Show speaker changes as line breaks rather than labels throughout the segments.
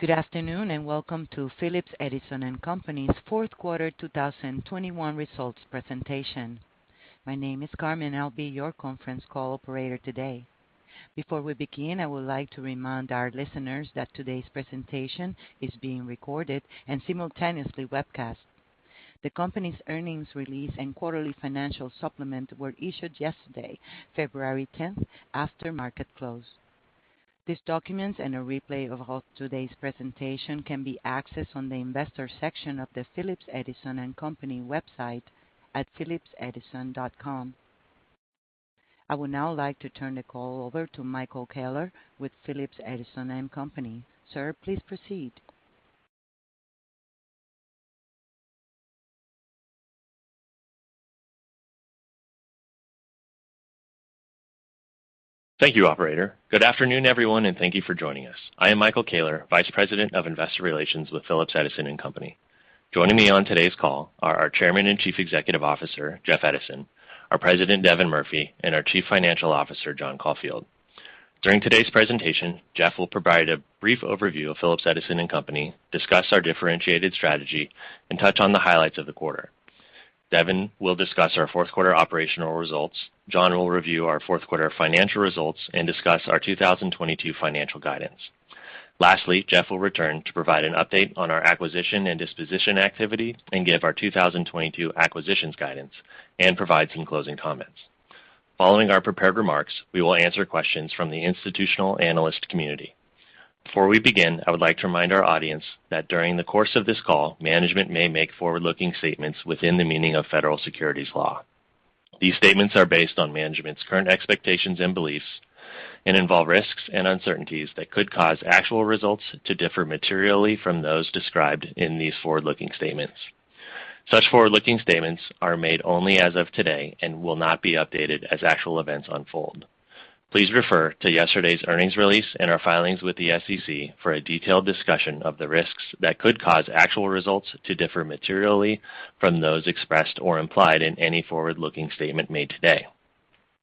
Good afternoon, and welcome to Phillips Edison & Company's Fourth Quarter 2021 Results Presentation. My name is Carmen, and I'll be your conference call operator today. Before we begin, I would like to remind our listeners that today's presentation is being recorded and simultaneously webcast. The company's earnings release and quarterly financial supplement were issued yesterday, February 10, after market close. These documents and a replay of today's presentation can be accessed on the investor section of the Phillips Edison & Company website at phillipsedison.com. I would now like to turn the call over to Michael Koehler with Phillips Edison & Company. Sir, please proceed.
Thank you, operator. Good afternoon, everyone, and thank you for joining us. I am Michael Koehler, Vice President of Investor Relations with Phillips Edison & Company. Joining me on today's call are our Chairman and Chief Executive Officer, Jeff Edison, our President, Devin Murphy, and our Chief Financial Officer, John Caulfield. During today's presentation, Jeff will provide a brief overview of Phillips Edison & Company, discuss our differentiated strategy and touch on the highlights of the quarter. Devin will discuss our fourth quarter operational results. John will review our fourth quarter financial results and discuss our 2022 financial guidance. Lastly, Jeff will return to provide an update on our acquisition and disposition activity and give our 2022 acquisitions guidance and provide some closing comments. Following our prepared remarks, we will answer questions from the institutional analyst community. Before we begin, I would like to remind our audience that during the course of this call, management may make forward-looking statements within the meaning of federal securities law. These statements are based on management's current expectations and beliefs and involve risks and uncertainties that could cause actual results to differ materially from those described in these forward-looking statements. Such forward-looking statements are made only as of today and will not be updated as actual events unfold. Please refer to yesterday's earnings release and our filings with the SEC for a detailed discussion of the risks that could cause actual results to differ materially from those expressed or implied in any forward-looking statement made today.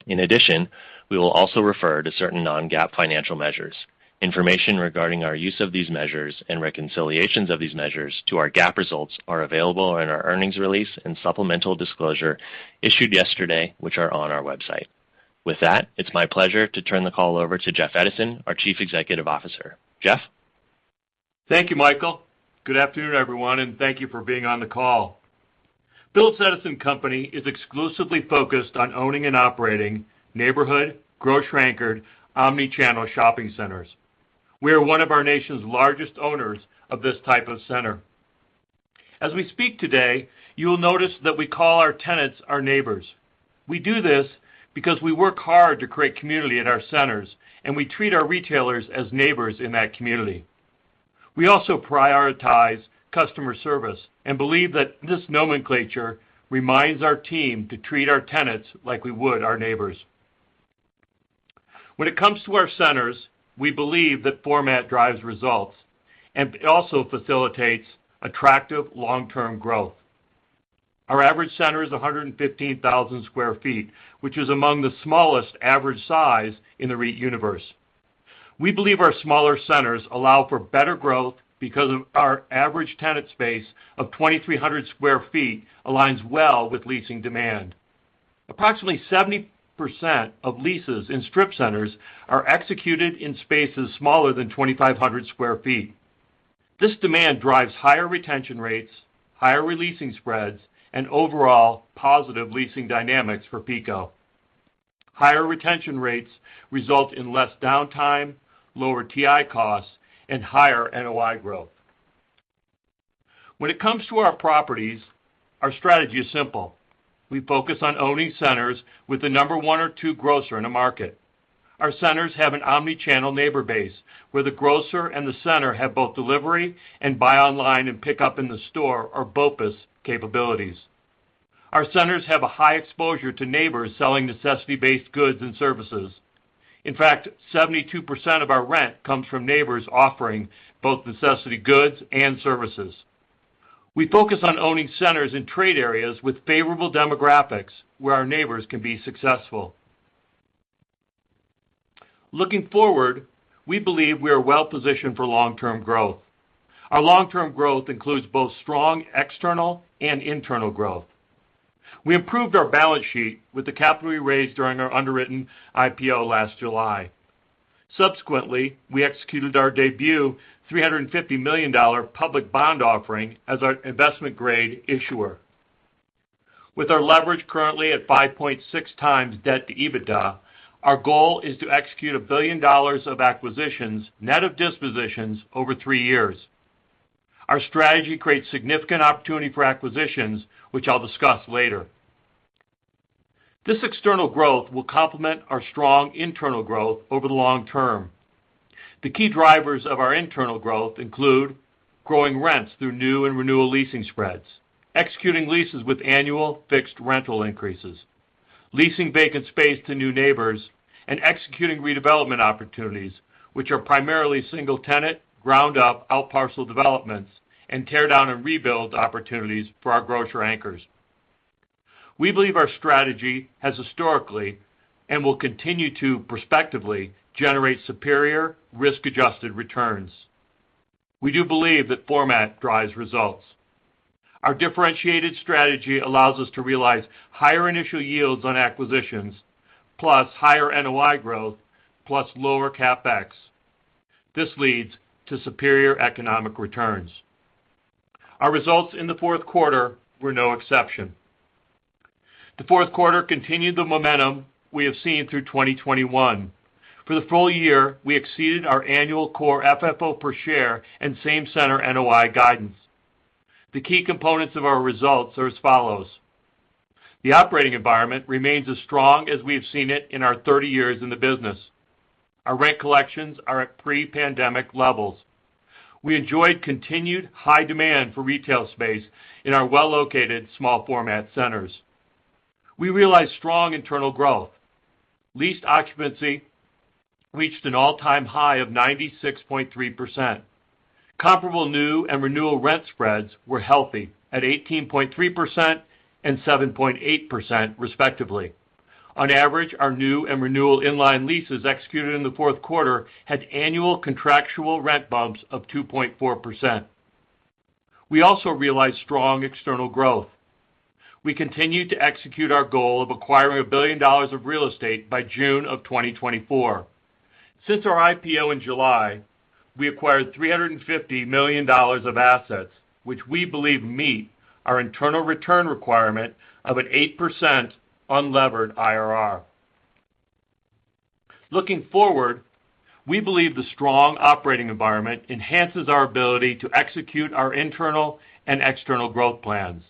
In addition, we will also refer to certain non-GAAP financial measures. Information regarding our use of these measures and reconciliations of these measures to our GAAP results are available in our earnings release and supplemental disclosure issued yesterday, which are on our website. With that, it's my pleasure to turn the call over to Jeff Edison, our Chief Executive Officer. Jeff?
Thank you, Michael. Good afternoon, everyone, and thank you for being on the call. Phillips Edison & Company is exclusively focused on owning and operating neighborhood grocery-anchored omni-channel shopping centers. We are one of our nation's largest owners of this type of center. As we speak today, you will notice that we call our tenants our neighbors. We do this because we work hard to create community at our centers, and we treat our retailers as neighbors in that community. We also prioritize customer service and believe that this nomenclature reminds our team to treat our tenants like we would our neighbors. When it comes to our centers, we believe that format drives results and also facilitates attractive long-term growth. Our average center is 115,000 sq ft, which is among the smallest average size in the REIT universe. We believe our smaller centers allow for better growth because of our average tenant space of 2,300 sq ft aligns well with leasing demand. Approximately 70% of leases in strip centers are executed in spaces smaller than 2,500 sq ft. This demand drives higher retention rates, higher re-leasing spreads, and overall positive leasing dynamics for PECO. Higher retention rates result in less downtime, lower TI costs, and higher NOI growth. When it comes to our properties, our strategy is simple. We focus on owning centers with the number one or two grocer in the market. Our centers have an omni-channel neighbor base, where the grocer and the center have both delivery and buy online and pick up in the store or BOPIS capabilities. Our centers have a high exposure to neighbors selling necessity-based goods and services. In fact, 72% of our rent comes from neighbors offering both necessity goods and services. We focus on owning centers in trade areas with favorable demographics where our neighbors can be successful. Looking forward, we believe we are well-positioned for long-term growth. Our long-term growth includes both strong external and internal growth. We improved our balance sheet with the capital we raised during our underwritten IPO last July. Subsequently, we executed our debut $350 million public bond offering as our investment grade issuer. With our leverage currently at 5.6x debt to EBITDA, our goal is to execute $1 billion of acquisitions, net of dispositions, over three years. Our strategy creates significant opportunity for acquisitions, which I'll discuss later. This external growth will complement our strong internal growth over the long term. The key drivers of our internal growth include growing rents through new and renewal leasing spreads, executing leases with annual fixed rental increases, leasing vacant space to new neighbors, and executing redevelopment opportunities, which are primarily single tenant ground up out parcel developments and tear down and rebuild opportunities for our grocer anchors. We believe our strategy has historically and will continue to prospectively generate superior risk-adjusted returns. We do believe that format drives results. Our differentiated strategy allows us to realize higher initial yields on acquisitions plus higher NOI growth plus lower CapEx. This leads to superior economic returns. Our results in the fourth quarter were no exception. The fourth quarter continued the momentum we have seen through 2021. For the full year, we exceeded our annual core FFO per share and same center NOI guidance. The key components of our results are as follows. The operating environment remains as strong as we have seen it in our 30 years in the business. Our rent collections are at pre-pandemic levels. We enjoyed continued high demand for retail space in our well-located small format centers. We realized strong internal growth. Leased occupancy reached an all-time high of 96.3%. Comparable new and renewal rent spreads were healthy at 18.3% and 7.8% respectively. On average, our new and renewal inline leases executed in the fourth quarter had annual contractual rent bumps of 2.4%. We also realized strong external growth. We continued to execute our goal of acquiring $1 billion of real estate by June 2024. Since our IPO in July, we acquired $350 million of assets, which we believe meet our internal return requirement of an 8% unlevered IRR. Looking forward, we believe the strong operating environment enhances our ability to execute our internal and external growth plans.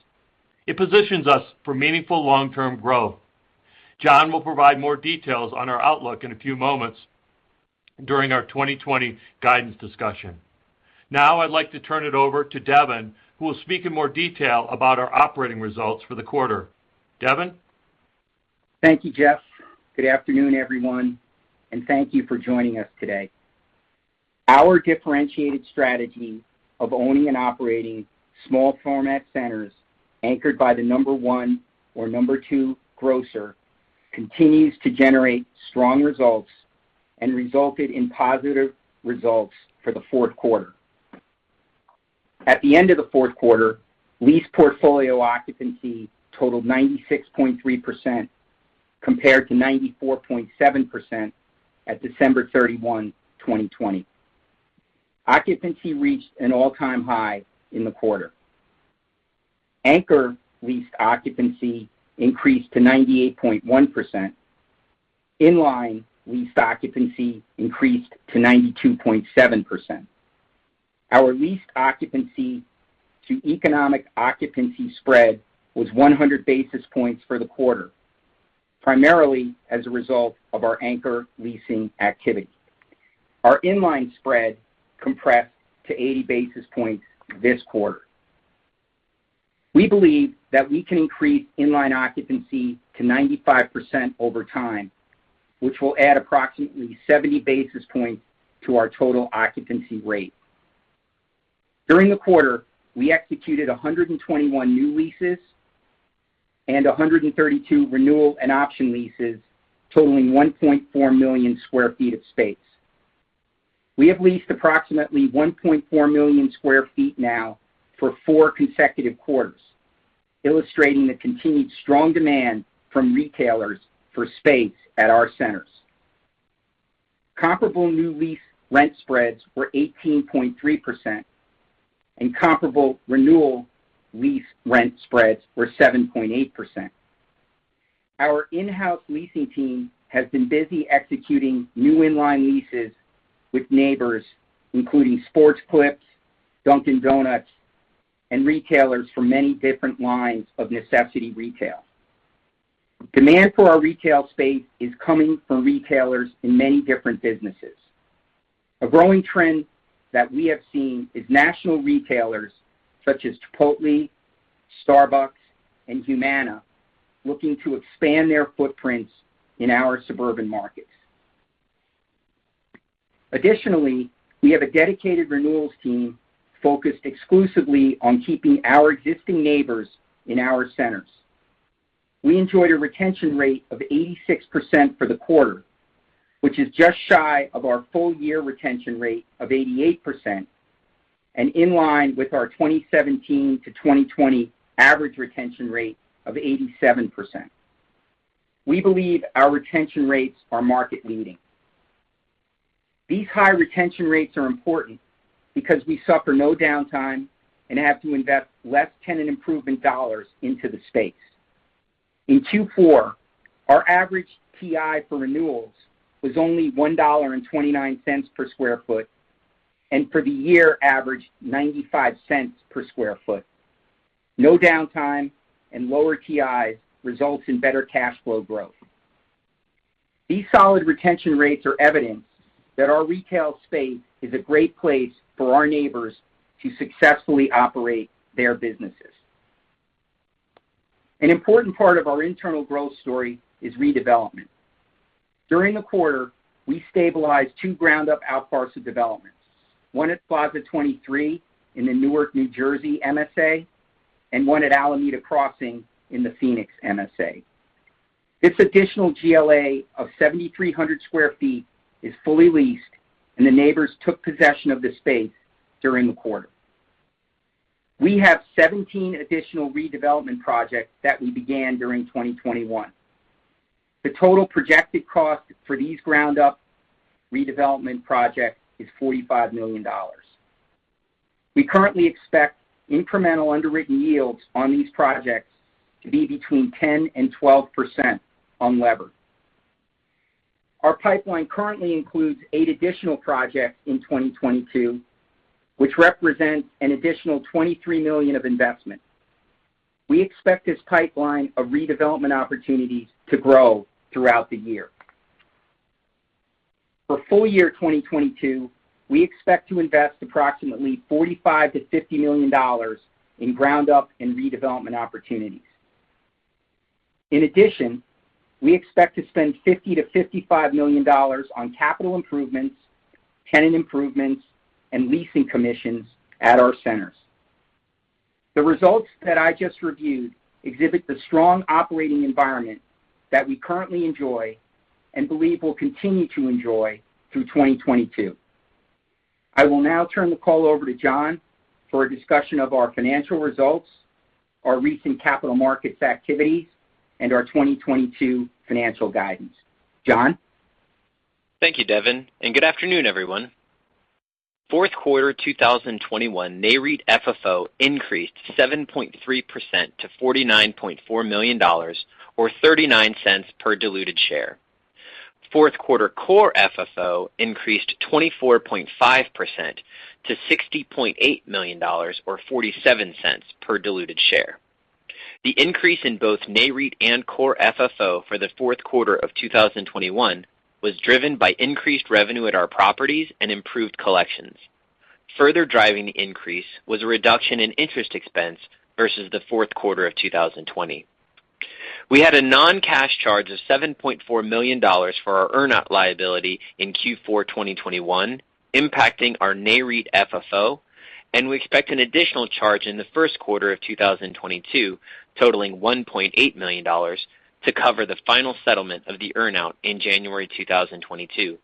It positions us for meaningful long-term growth. John will provide more details on our outlook in a few moments during our 2020 guidance discussion. Now I'd like to turn it over to Devin, who will speak in more detail about our operating results for the quarter. Devin?
Thank you, Jeff. Good afternoon, everyone, and thank you for joining us today. Our differentiated strategy of owning and operating small format centers anchored by the number one or number two grocer continues to generate strong results and resulted in positive results for the fourth quarter. At the end of the fourth quarter, lease portfolio occupancy totaled 96.3% compared to 94.7% at December 31, 2020. Occupancy reached an all-time high in the quarter. Anchor lease occupancy increased to 98.1%. Inline lease occupancy increased to 92.7%. Our lease occupancy to economic occupancy spread was 100 basis points for the quarter, primarily as a result of our anchor leasing activity. Our inline spread compressed to 80 basis points this quarter. We believe that we can increase inline occupancy to 95% over time, which will add approximately 70 basis points to our total occupancy rate. During the quarter, we executed 121 new leases and 132 renewal and option leases totaling 1.4 million sq ft of space. We have leased approximately 1.4 million sq ft now for four consecutive quarters, illustrating the continued strong demand from retailers for space at our centers. Comparable new lease rent spreads were 18.3%, and comparable renewal lease rent spreads were 7.8%. Our in-house leasing team has been busy executing new inline leases with neighbors, including Sport Clips, Dunkin' Donuts, and retailers from many different lines of necessity retail. Demand for our retail space is coming from retailers in many different businesses. A growing trend that we have seen is national retailers such as Chipotle, Starbucks, and Humana looking to expand their footprints in our suburban markets. Additionally, we have a dedicated renewals team focused exclusively on keeping our existing neighbors in our centers. We enjoyed a retention rate of 86% for the quarter, which is just shy of our full-year retention rate of 88% and in line with our 2017-2020 average retention rate of 87%. We believe our retention rates are market leading. These high retention rates are important because we suffer no downtime and have to invest less tenant improvement dollars into the space. In Q4, our average TI for renewals was only $1.29 per sq ft, and for the year averaged $0.95 per sq ft. No downtime and lower TIs results in better cash flow growth. These solid retention rates are evidence that our retail space is a great place for our neighbors to successfully operate their businesses. An important part of our internal growth story is redevelopment. During the quarter, we stabilized two ground-up out parcel developments, one at Plaza 23 in the Newark, New Jersey MSA, and one at Alameda Crossing in the Phoenix MSA. This additional GLA of 7,300 sq ft is fully leased, and the neighbors took possession of the space during the quarter. We have 17 additional redevelopment projects that we began during 2021. The total projected cost for these ground-up redevelopment projects is $45 million. We currently expect incremental underwritten yields on these projects to be between 10% and 12% unlevered. Our pipeline currently includes eight additional projects in 2022, which represents an additional $23 million of investment. We expect this pipeline of redevelopment opportunities to grow throughout the year. For full year 2022, we expect to invest approximately $45 million-$50 million in ground up and redevelopment opportunities. In addition, we expect to spend $50 million-$55 million on capital improvements, tenant improvements, and leasing commissions at our centers. The results that I just reviewed exhibit the strong operating environment that we currently enjoy and believe we'll continue to enjoy through 2022. I will now turn the call over to John for a discussion of our financial results, our recent capital markets activities, and our 2022 financial guidance. John?
Thank you, Devin, and good afternoon, everyone. Fourth quarter 2021 NAREIT FFO increased 7.3% to $49.4 million or $0.39 per diluted share. Fourth quarter core FFO increased 24.5% to $60.8 million or $0.47 per diluted share. The increase in both NAREIT and core FFO for the fourth quarter of 2021 was driven by increased revenue at our properties and improved collections. Further driving the increase was a reduction in interest expense versus the fourth quarter of 2020. We had a non-cash charge of $7.4 million for our earn out liability in Q4 2021 impacting our NAREIT FFO, and we expect an additional charge in the first quarter of 2022 totaling $1.8 million to cover the final settlement of the earn out in January 2022.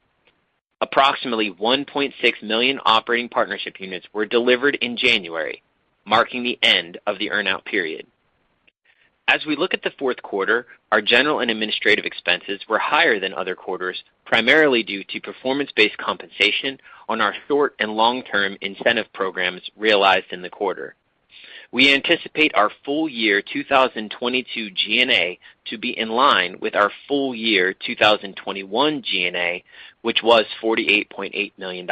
Approximately 1.6 million operating partnership units were delivered in January, marking the end of the earn out period. As we look at the fourth quarter, our general and administrative expenses were higher than other quarters, primarily due to performance-based compensation on our short and long-term incentive programs realized in the quarter. We anticipate our full year 2022 G&A to be in line with our full year 2021 G&A, which was $48.8 million.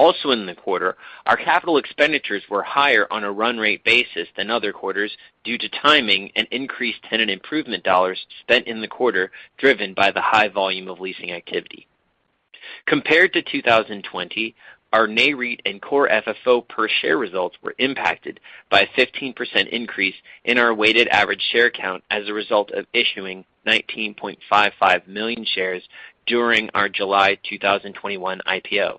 Also in the quarter, our capital expenditures were higher on a run rate basis than other quarters due to timing and increased tenant improvement dollars spent in the quarter, driven by the high volume of leasing activity. Compared to 2020, our NAREIT and core FFO per share results were impacted by a 15% increase in our weighted average share count as a result of issuing 19.55 million shares during our July 2021 IPO.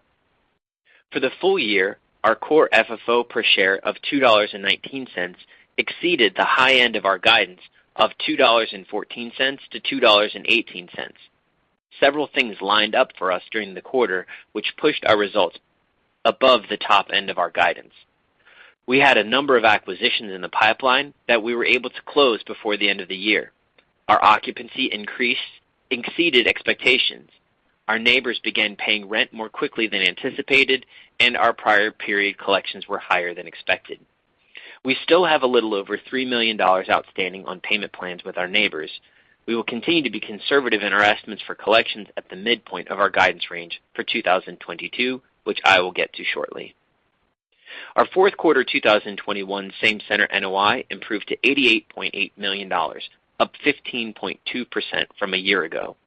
For the full year, our core FFO per share of $2.19 exceeded the high end of our guidance of $2.14-$2.18. Several things lined up for us during the quarter, which pushed our results above the top end of our guidance. We had a number of acquisitions in the pipeline that we were able to close before the end of the year. Our occupancy increase exceeded expectations. Our neighbors began paying rent more quickly than anticipated, and our prior period collections were higher than expected. We still have a little over $3 million outstanding on payment plans with our neighbors. We will continue to be conservative in our estimates for collections at the midpoint of our guidance range for 2022, which I will get to shortly. Our fourth quarter 2021 same center NOI improved to $88.8 million, up 15.2% from a year ago.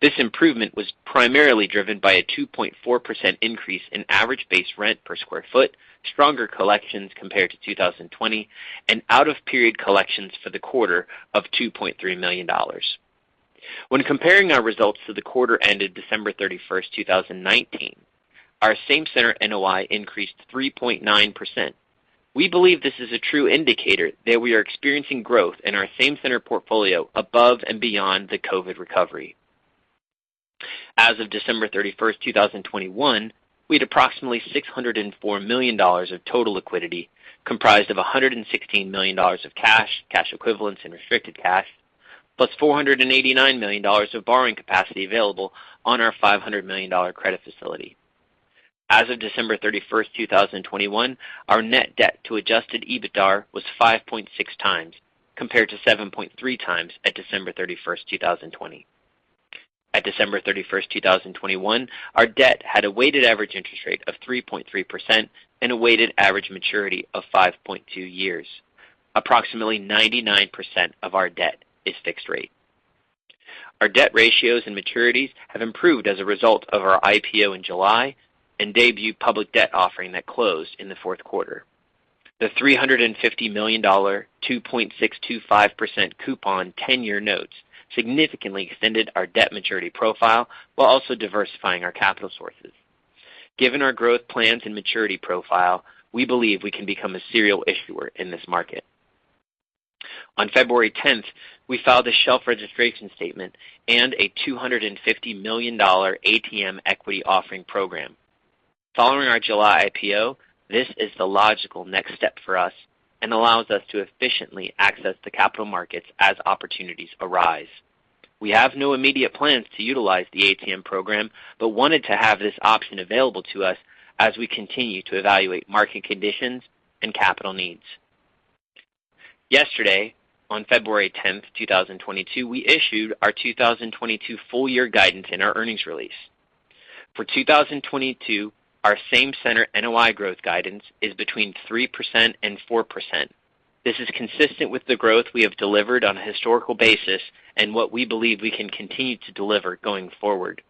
This improvement was primarily driven by a 2.4% increase in average base rent per sq ft, stronger collections compared to 2020, and out of period collections for the quarter of $2.3 million. When comparing our results to the quarter ended December 31, 2019, our same center NOI increased 3.9%. We believe this is a true indicator that we are experiencing growth in our same center portfolio above and beyond the COVID recovery. As of December 31, 2021, we had approximately $604 million of total liquidity, comprised of $116 million of cash equivalents and restricted cash, plus $489 million of borrowing capacity available on our $500 million credit facility. As of December 31, 2021, our net debt to adjusted EBITDA was 5.6x, compared to 7.3x at December 31, 2020. At December 31, 2021, our debt had a weighted average interest rate of 3.3% and a weighted average maturity of 5.2 years. Approximately 99% of our debt is fixed rate. Our debt ratios and maturities have improved as a result of our IPO in July and debut public debt offering that closed in the fourth quarter. The $350 million 2.625% coupon 10-year notes significantly extended our debt maturity profile while also diversifying our capital sources. Given our growth plans and maturity profile, we believe we can become a serial issuer in this market. On February 10, we filed a shelf registration statement and a $250 million ATM equity offering program. Following our July IPO, this is the logical next step for us and allows us to efficiently access the capital markets as opportunities arise. We have no immediate plans to utilize the ATM program, but wanted to have this option available to us as we continue to evaluate market conditions and capital needs. Yesterday, on February 10, 2022, we issued our 2022 full year guidance in our earnings release. For 2022, our same center NOI growth guidance is between 3% and 4%. This is consistent with the growth we have delivered on a historical basis and what we believe we can continue to deliver going forward.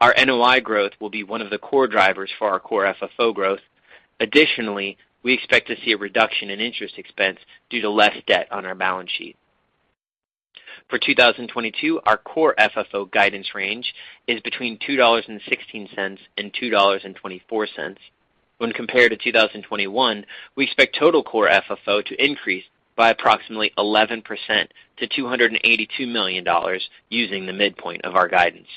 Our NOI growth will be one of the core drivers for our core FFO growth. Additionally, we expect to see a reduction in interest expense due to less debt on our balance sheet. For 2022, our core FFO guidance range is between $2.16 and $2.24. When compared to 2021, we expect total core FFO to increase by approximately 11% to $282 million using the midpoint of our guidance.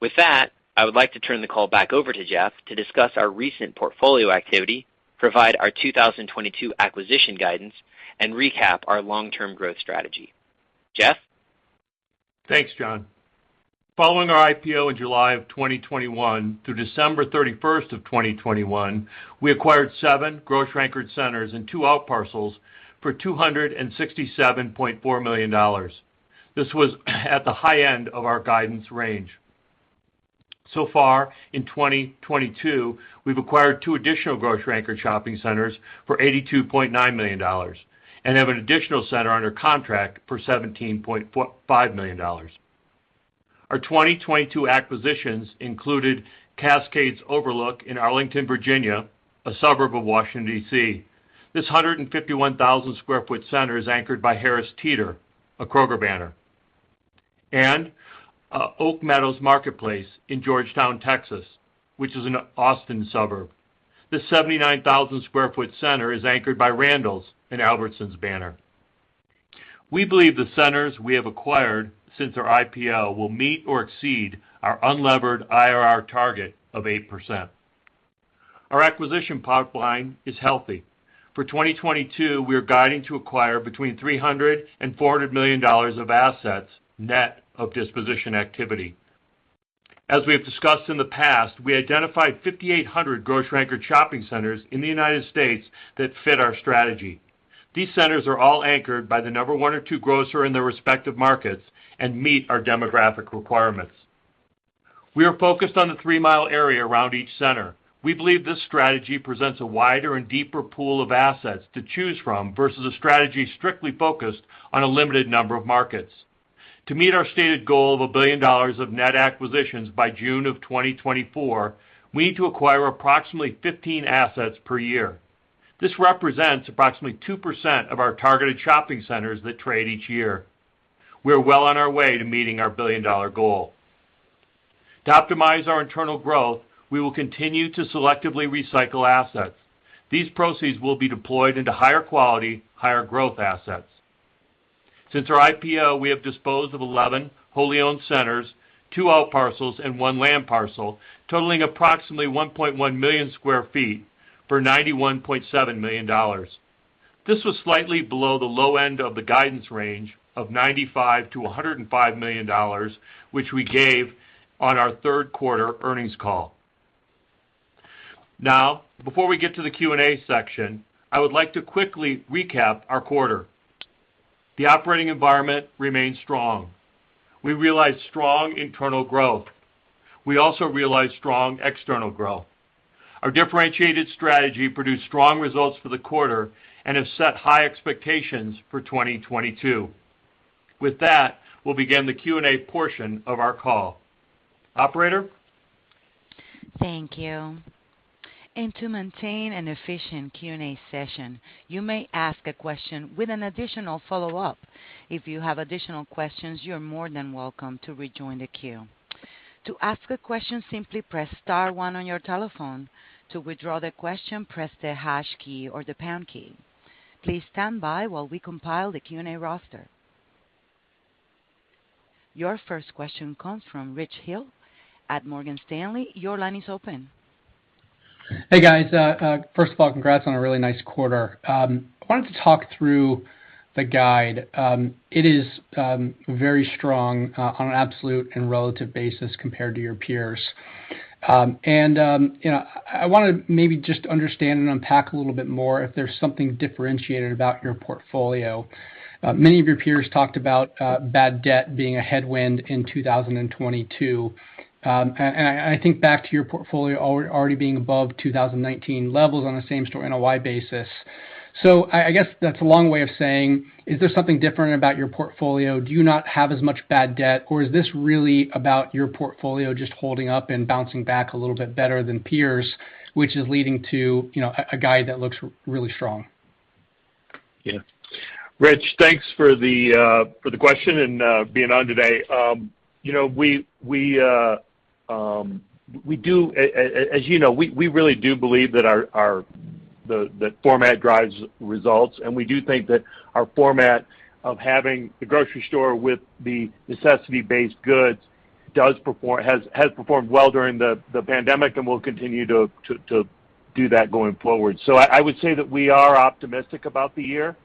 With that, I would like to turn the call back over to Jeff to discuss our recent portfolio activity, provide our 2022 acquisition guidance, and recap our long-term growth strategy. Jeff?
Thanks, John. Following our IPO in July 2021 through December 31, 2021, we acquired seven grocery-anchored centers and two outparcels for $267.4 million. This was at the high end of our guidance range. So far in 2022, we've acquired two additional grocery-anchored shopping centers for $82.9 million and have an additional center under contract for $17.5 million. Our 2022 acquisitions included Cascades Overlook in Arlington, Virginia, a suburb of Washington, D.C. This 151,000 sq ft center is anchored by Harris Teeter, a Kroger banner. Oak Meadows Marketplace in Georgetown, Texas, which is an Austin suburb. This 79,000 sq ft center is anchored by Randalls and Albertsons banner. We believe the centers we have acquired since our IPO will meet or exceed our unlevered IRR target of 8%. Our acquisition pipeline is healthy. For 2022, we are guiding to acquire between $300 million and $400 million of assets, net of disposition activity. As we have discussed in the past, we identified 5,800 grocery-anchored shopping centers in the United States that fit our strategy. These centers are all anchored by the number one or two grocer in their respective markets and meet our demographic requirements. We are focused on the 3-mile area around each center. We believe this strategy presents a wider and deeper pool of assets to choose from versus a strategy strictly focused on a limited number of markets. To meet our stated goal of $1 billion of net acquisitions by June 2024, we need to acquire approximately 15 assets per year. This represents approximately 2% of our targeted shopping centers that trade each year. We are well on our way to meeting our billion-dollar goal. To optimize our internal growth, we will continue to selectively recycle assets. These proceeds will be deployed into higher quality, higher growth assets. Since our IPO, we have disposed of 11 wholly owned centers, two outparcels, and one land parcel, totaling approximately 1.1 million sq ft for $91.7 million. This was slightly below the low end of the guidance range of $95 million-$105 million, which we gave on our third quarter earnings call. Now, before we get to the Q&A section, I would like to quickly recap our quarter. The operating environment remains strong. We realized strong internal growth. We also realized strong external growth. Our differentiated strategy produced strong results for the quarter and have set high expectations for 2022. With that, we'll begin the Q&A portion of our call. Operator?
Thank you. To maintain an efficient Q&A session, you may ask a question with an additional follow-up. If you have additional questions, you are more than welcome to rejoin the queue. To ask a question, simply press star one on your telephone. To withdraw the question, press the hash key or the pound key. Please stand by while we compile the Q&A roster. Your first question comes from Rich Hill at Morgan Stanley. Your line is open.
Hey, guys. First of all, congrats on a really nice quarter. I wanted to talk through the guide. It is very strong on an absolute and relative basis compared to your peers. You know, I want to maybe just understand and unpack a little bit more if there's something differentiated about your portfolio. Many of your peers talked about bad debt being a headwind in 2022. I think back to your portfolio already being above 2019 levels on the same store NOI basis. I guess that's a long way of saying, is there something different about your portfolio? Do you not have as much bad debt, or is this really about your portfolio just holding up and bouncing back a little bit better than peers, which is leading to, you know, a guide that looks really strong?
Yeah. Rich, thanks for the question and being on today. You know, as you know, we really do believe that our format drives results, and we do think that our format of having the grocery store with the necessity-based goods has performed well during the pandemic and will continue to do that going forward. I would say that we are optimistic about the year.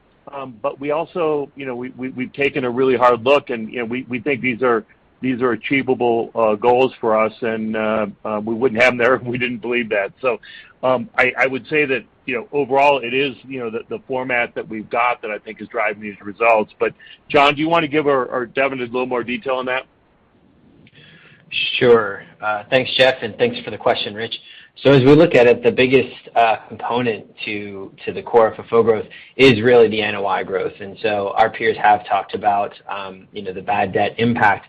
We also you know, we've taken a really hard look and you know, we think these are achievable goals for us and we wouldn't have them there if we didn't believe that. I would say that, you know, overall, it is, you know, the format that we've got that I think is driving these results. But John, do you wanna give or Devin a little more detail on that?
Sure. Thanks, Jeff, and thanks for the question, Rich. As we look at it, the biggest component to the core FFO growth is really the NOI growth. Our peers have talked about, you know, the bad debt impact.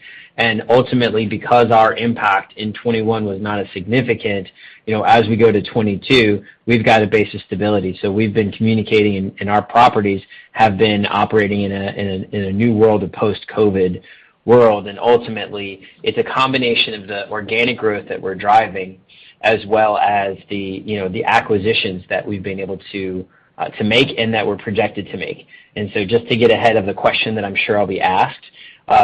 Ultimately, because our impact in 2021 was not as significant, you know, as we go to 2022, we've got a base of stability. We've been communicating and our properties have been operating in a new world, a post-COVID world. Ultimately, it's a combination of the organic growth that we're driving, as well as the, you know, the acquisitions that we've been able to to make and that we're projected to make. Just to get ahead of the question that I'm sure I'll be asked,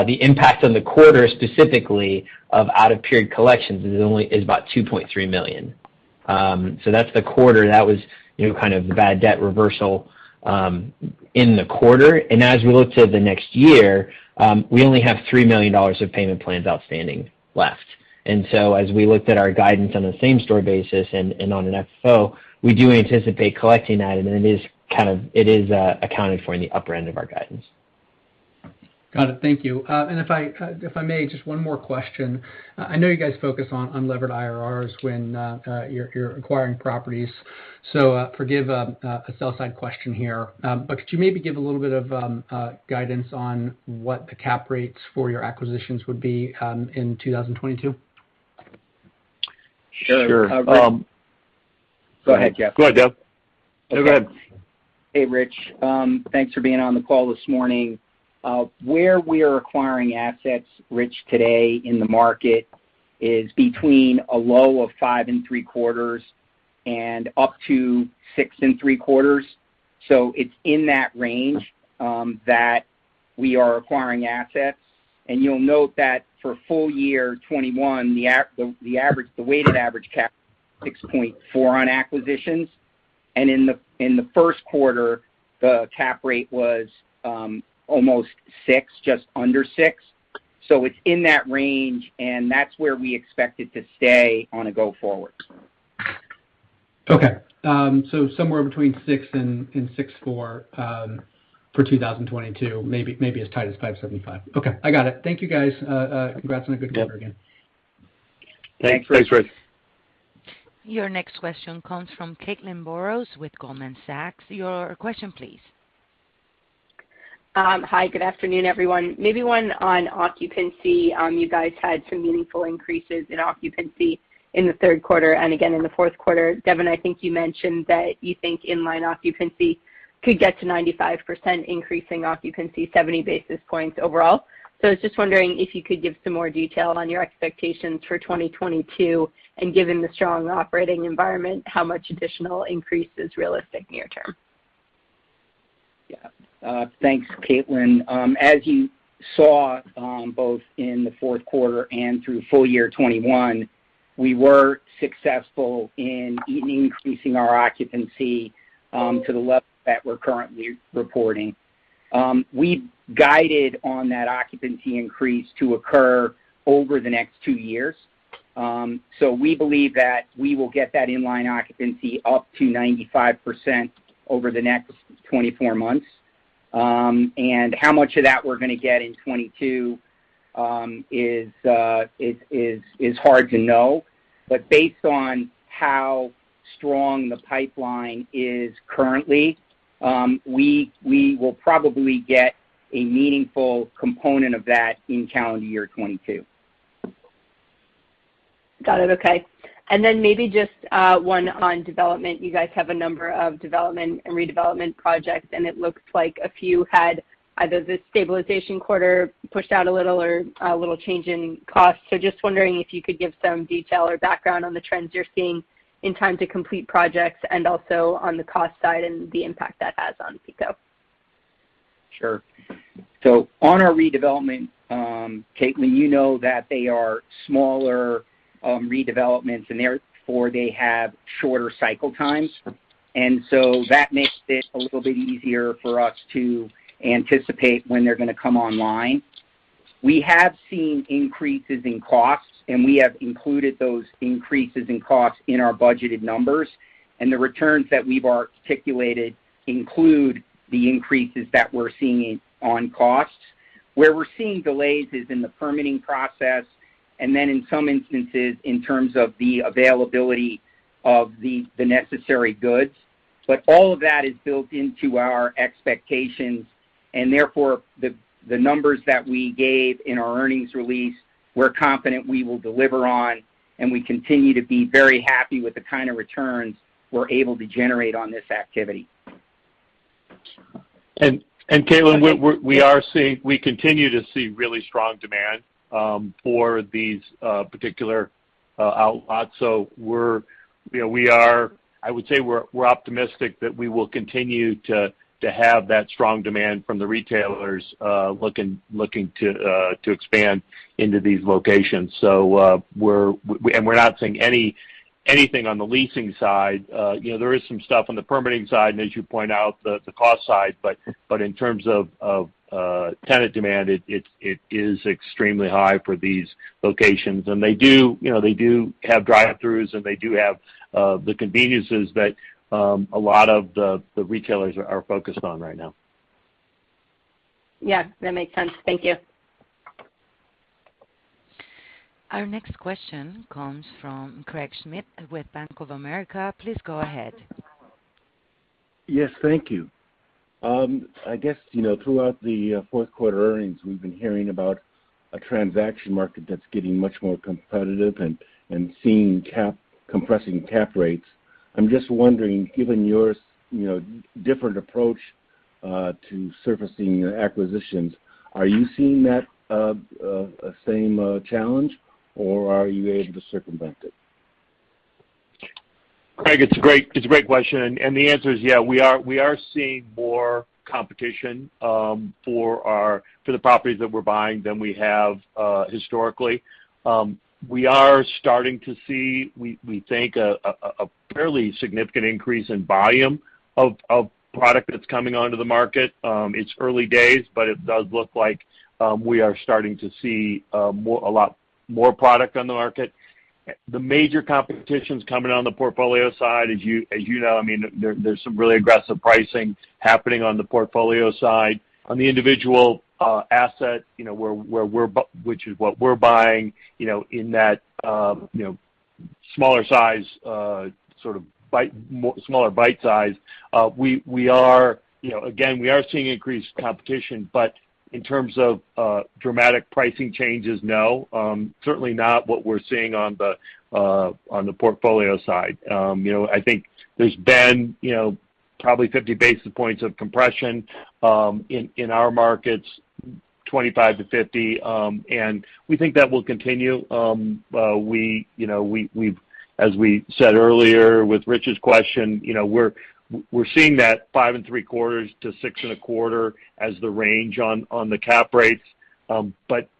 the impact on the quarter specifically of out-of-period collections is about $2.3 million. That's the quarter. That was, you know, kind of the bad debt reversal in the quarter. As we look to the next year, we only have $3 million of payment plans outstanding left. As we looked at our guidance on a same-store basis and on an FFO, we do anticipate collecting that, and it is accounted for in the upper end of our guidance.
Got it. Thank you. If I may, just one more question. I know you guys focus on unlevered IRRs when you're acquiring properties, so forgive a sell side question here. Could you maybe give a little bit of guidance on what the cap rates for your acquisitions would be in 2022?
Sure.
Hey, Rich. Thanks for being on the call this morning. Where we are acquiring assets, Rich, today in the market is between a low of 5.75% and up to 6.75%. It's in that range that we are acquiring assets. You'll note that for full year 2021, the weighted average cap 6.4% on acquisitions. In the first quarter, the cap rate was almost 6%, just under 6%. It's in that range, and that's where we expect it to stay going forward.
Okay. Somewhere between 6% and 6.4% for 2022, maybe as tight as 5.75%. Okay, I got it. Thank you, guys. Congrats on a good quarter again.
Thanks.
Thanks, Rich.
Your next question comes from Caitlin Burrows with Goldman Sachs. Your question, please.
Hi. Good afternoon, everyone. Maybe one on occupancy. You guys had some meaningful increases in occupancy in the third quarter and again in the fourth quarter. Devin, I think you mentioned that you think in-line occupancy could get to 95%, increasing occupancy 70 basis points overall. I was just wondering if you could give some more detail on your expectations for 2022, and given the strong operating environment, how much additional increase is realistic near term?
Yeah. Thanks, Caitlin. As you saw, both in the fourth quarter and through full year 2021, we were successful in increasing our occupancy to the level that we're currently reporting. We guided on that occupancy increase to occur over the next two years. We believe that we will get that in-line occupancy up to 95% over the next 24 months. How much of that we're gonna get in 2022 is hard to know. Based on how strong the pipeline is currently, we will probably get a meaningful component of that in calendar year 2022.
Got it. Okay. Maybe just one on development. You guys have a number of development and redevelopment projects, and it looks like a few had either the stabilization quarter pushed out a little or a little change in cost. Just wondering if you could give some detail or background on the trends you're seeing in time to complete projects and also on the cost side and the impact that has on PECO?
Sure. On our redevelopment, Caitlin, you know that they are smaller redevelopments, and therefore, they have shorter cycle times. That makes it a little bit easier for us to anticipate when they're gonna come online. We have seen increases in costs, and we have included those increases in costs in our budgeted numbers, and the returns that we've articulated include the increases that we're seeing on costs. Where we're seeing delays is in the permitting process, and then in some instances, in terms of the availability of the necessary goods. All of that is built into our expectations, and therefore, the numbers that we gave in our earnings release, we're confident we will deliver on, and we continue to be very happy with the kind of returns we're able to generate on this activity.
Caitlin, we continue to see really strong demand for these particular outlet. You know, I would say we're optimistic that we will continue to have that strong demand from the retailers looking to expand into these locations. We're not seeing anything on the leasing side. You know, there is some stuff on the permitting side, and as you point out, the cost side. But in terms of tenant demand, it is extremely high for these locations. They do, you know, they do have drive-throughs, and they do have the conveniences that a lot of the retailers are focused on right now.
Yeah, that makes sense. Thank you.
Our next question comes from Craig Schmidt with Bank of America. Please go ahead.
Yes, thank you. I guess, you know, throughout the fourth quarter earnings, we've been hearing about a transaction market that's getting much more competitive and seeing compressing cap rates. I'm just wondering, given your, you know, different approach to sourcing acquisitions, are you seeing that same challenge, or are you able to circumvent it?
Craig, it's a great question, and the answer is, yeah, we are seeing more competition for the properties that we're buying than we have historically. We are starting to see we think a fairly significant increase in volume of product that's coming onto the market. It's early days, but it does look like we are starting to see more, a lot more product on the market. The major competition's coming on the portfolio side. As you know, I mean, there's some really aggressive pricing happening on the portfolio side. On the individual asset, you know, where we're buying, you know, in that, you know, smaller size, sort of bite, smaller bite size, we are, you know, again, we are seeing increased competition, but in terms of, dramatic pricing changes, no, certainly not what we're seeing on the, on the portfolio side. You know, I think there's been, you know, probably 50 basis points of compression, in our markets, 25 to 50, and we think that will continue. We, you know, we've, as we said earlier with Rich's question, you know, we're seeing that 5.75%-6.25% as the range on the cap rates. you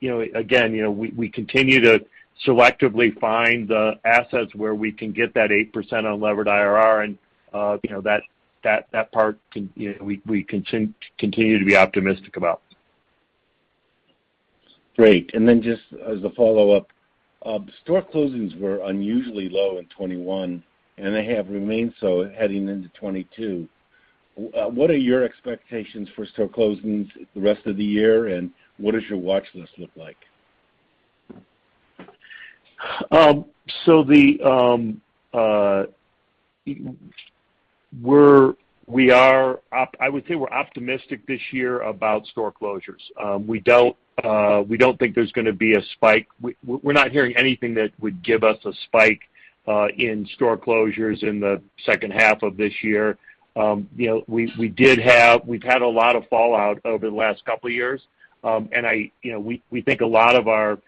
know, again, you know, we continue to selectively find the assets where we can get that 8% on levered IRR and, you know, that part, you know, we continue to be optimistic about.
Great. Just as a follow-up, store closings were unusually low in 2021, and they have remained so heading into 2022. What are your expectations for store closings the rest of the year, and what does your watch list look like?
I would say we're optimistic this year about store closures. We don't think there's gonna be a spike. We're not hearing anything that would give us a spike in store closures in the second half of this year. You know, we've had a lot of fallout over the last couple of years. You know, we think a lot of our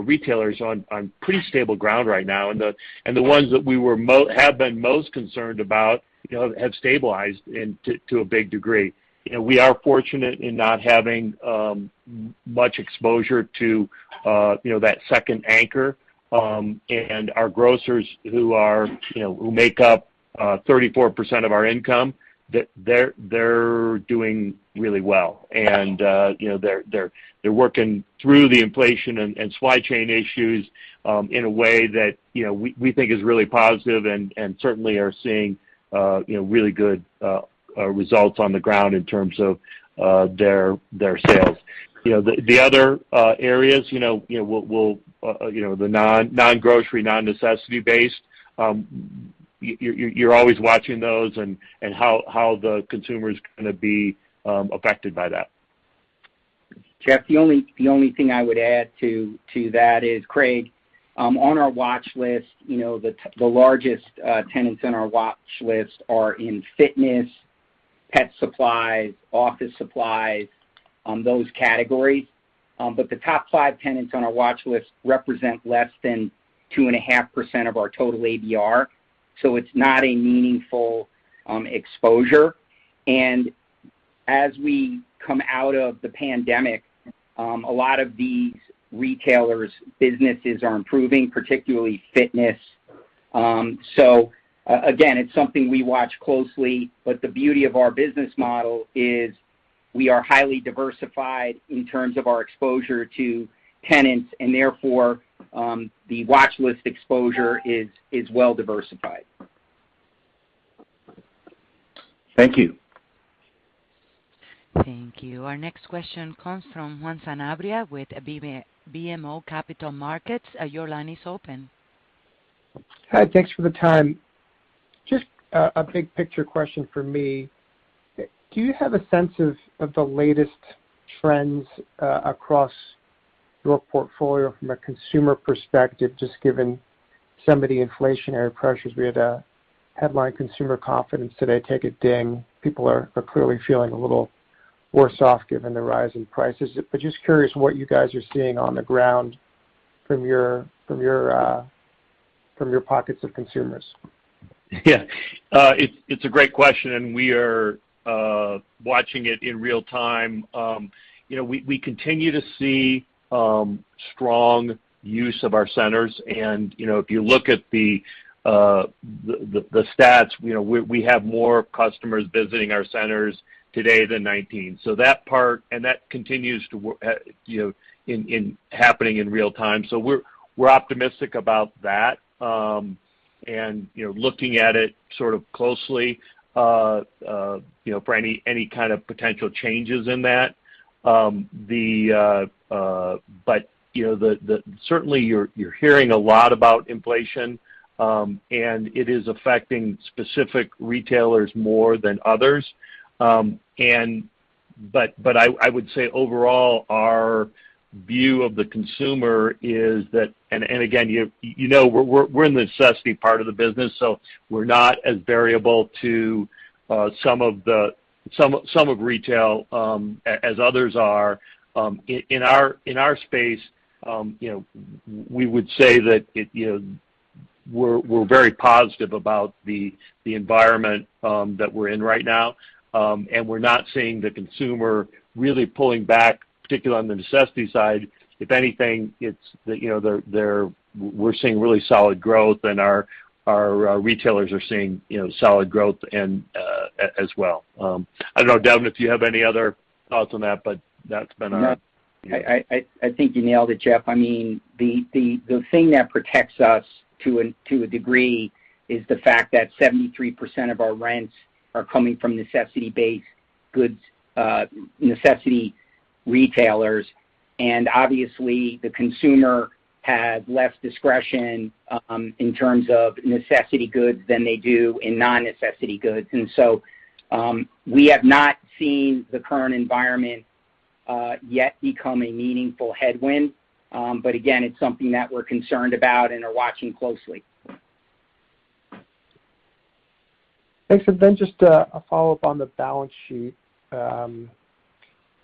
retailers are on pretty stable ground right now. The ones that we have been most concerned about, you know, have stabilized to a big degree. You know, we are fortunate in not having much exposure to, you know, that second anchor, and our grocers who are, you know, who make up 34% of our income, they're doing really well. You know, they're working through the inflation and supply chain issues in a way that, you know, we think is really positive and certainly are seeing, you know, really good results on the ground in terms of their sales. You know, the other areas, you know, we'll, you know, the non-grocery, non-necessity based, you're always watching those and how the consumer's gonna be affected by that.
Jeff, the only thing I would add to that is, Craig, on our watch list, you know, the largest tenants on our watch list are in fitness, pet supplies, office supplies, those categories. But the top five tenants on our watch list represent less than 2.5% of our total ADR, so it's not a meaningful exposure. As we come out of the pandemic, a lot of these retailers' businesses are improving, particularly fitness. So again, it's something we watch closely, but the beauty of our business model is we are highly diversified in terms of our exposure to tenants, and therefore, the watch list exposure is well diversified.
Thank you.
Thank you. Our next question comes from Juan Sanabria with BMO Capital Markets. Your line is open.
Hi. Thanks for the time. Just a big picture question for me. Do you have a sense of the latest trends across your portfolio from a consumer perspective, just given some of the inflationary pressures? We had a headline consumer confidence today take a ding. People are clearly feeling a little worse off given the rise in prices. But just curious what you guys are seeing on the ground from your pockets of consumers.
Yeah. It's a great question, and we are watching it in real time. You know, we continue to see strong use of our centers. You know, if you look at the stats, you know, we have more customers visiting our centers today than 2019. That part. That continues to happen in real time. We're optimistic about that, and you know, looking at it sort of closely, you know, for any kind of potential changes in that. Certainly, you're hearing a lot about inflation, and it is affecting specific retailers more than others. But I would say overall, our view of the consumer is that. Again, you know, we're in the necessity part of the business, so we're not as vulnerable to some of retail as others are. In our space, you know, we would say that, you know, we're very positive about the environment that we're in right now. We're not seeing the consumer really pulling back, particularly on the necessity side. If anything, you know, we're seeing really solid growth, and our retailers are seeing solid growth as well. I don't know, Devin, if you have any other thoughts on that, but that's been our
No.
Yeah.
I think you nailed it, Jeff. I mean, the thing that protects us to a degree is the fact that 73% of our rents are coming from necessity-based goods, necessity retailers. Obviously, the consumer has less discretion in terms of necessity goods than they do in non-necessity goods. We have not seen the current environment yet become a meaningful headwind. Again, it's something that we're concerned about and are watching closely.
Thanks. Just a follow-up on the balance sheet,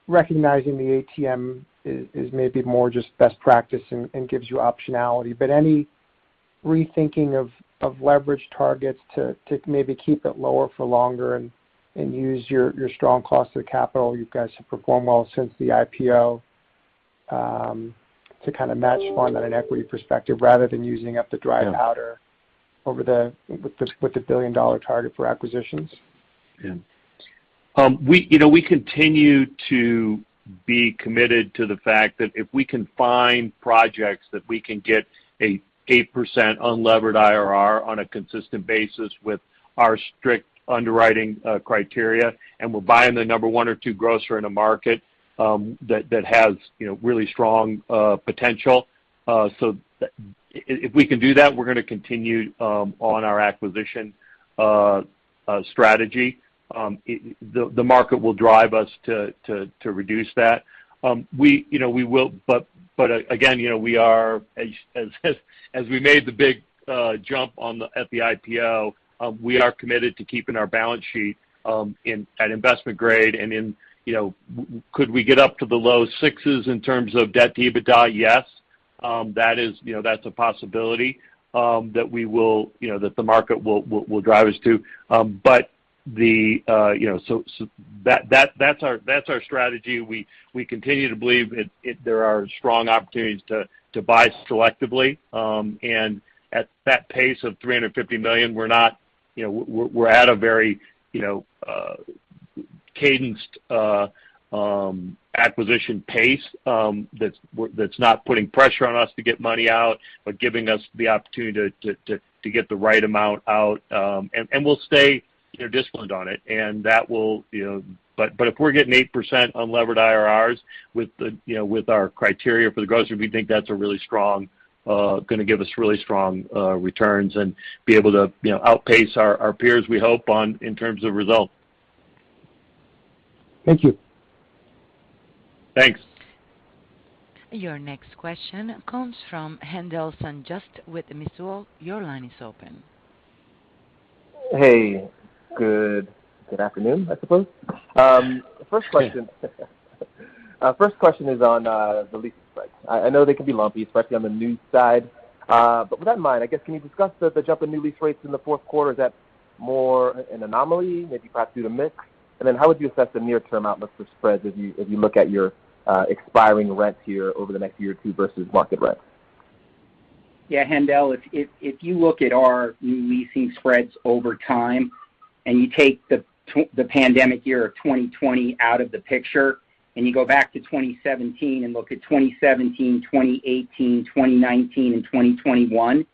recognizing the ATM is maybe more just best practice and gives you optionality. Any rethinking of leverage targets to maybe keep it lower for longer and use your strong cost of capital, you guys have performed well since the IPO to kind of match fund on an equity perspective rather than using up the dry powder-
Yeah.
with the billion-dollar target for acquisitions?
You know, we continue to be committed to the fact that if we can find projects that we can get an 8% unlevered IRR on a consistent basis with our strict underwriting criteria, and we're buying the number one or two grocer in a market that has really strong potential. If we can do that, we're gonna continue on our acquisition strategy. The market will drive us to reduce that. You know, we will. Again, you know, we are, as we made the big jump at the IPO, we are committed to keeping our balance sheet at investment grade. In, you know, could we get up to the low sixes in terms of debt to EBITDA? Yes. That is, you know, that's a possibility that we will, you know, that the market will drive us to. That, that's our strategy. We continue to believe there are strong opportunities to buy selectively. And at that pace of $350 million, we're not, you know, we're at a very, you know, cadenced acquisition pace, that's not putting pressure on us to get money out, but giving us the opportunity to get the right amount out. And we'll stay, you know, disciplined on it, and that will, you know. if we're getting 8% unlevered IRRs with the, you know, with our criteria for the grocer, we think that's a really strong gonna give us really strong returns and be able to, you know, outpace our peers, we hope, on in terms of results.
Thank you.
Thanks.
Your next question comes from Haendel St. Juste with Mizuho. Your line is open.
Hey. Good afternoon, I suppose. First question is on the leasing spreads. I know they can be lumpy, especially on the new side. With that in mind, I guess can you discuss the jump in new lease rates in the fourth quarter? Is that more an anomaly, maybe perhaps due to mix? How would you assess the near-term outlook for spreads as you look at your expiring rents here over the next year or two versus market rents?
Yeah, Haendel, if you look at our new leasing spreads over time and you take the pandemic year of 2020 out of the picture, and you go back to 2017 and look at 2017, 2018, 2019, and 2021.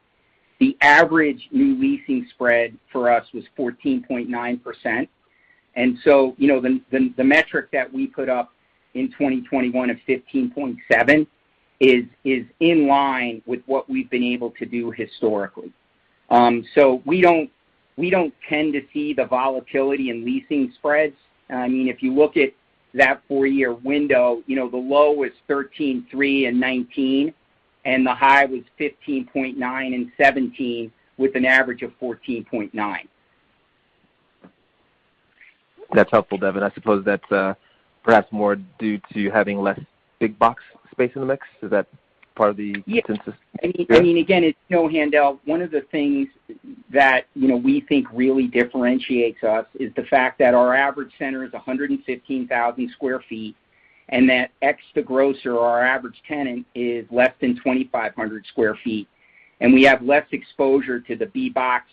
The average new leasing spread for us was 14.9%. You know, the metric that we put up in 2021 of 15.7% is in line with what we've been able to do historically. We don't tend to see the volatility in leasing spreads. I mean, if you look at that four-year window, you know, the low was 13.3% in 2019, and the high was 15.9% in 2017, with an average of 14.9%.
That's helpful, Devin. I suppose that's perhaps more due to having less big box space in the mix. Is that part of the consensus spread?
Yeah. I mean, again, it's no Haendel. One of the things that, you know, we think really differentiates us is the fact that our average center is 115,000 sq ft, and our average tenant is less than 2,500 sq ft, and we have less exposure to the big box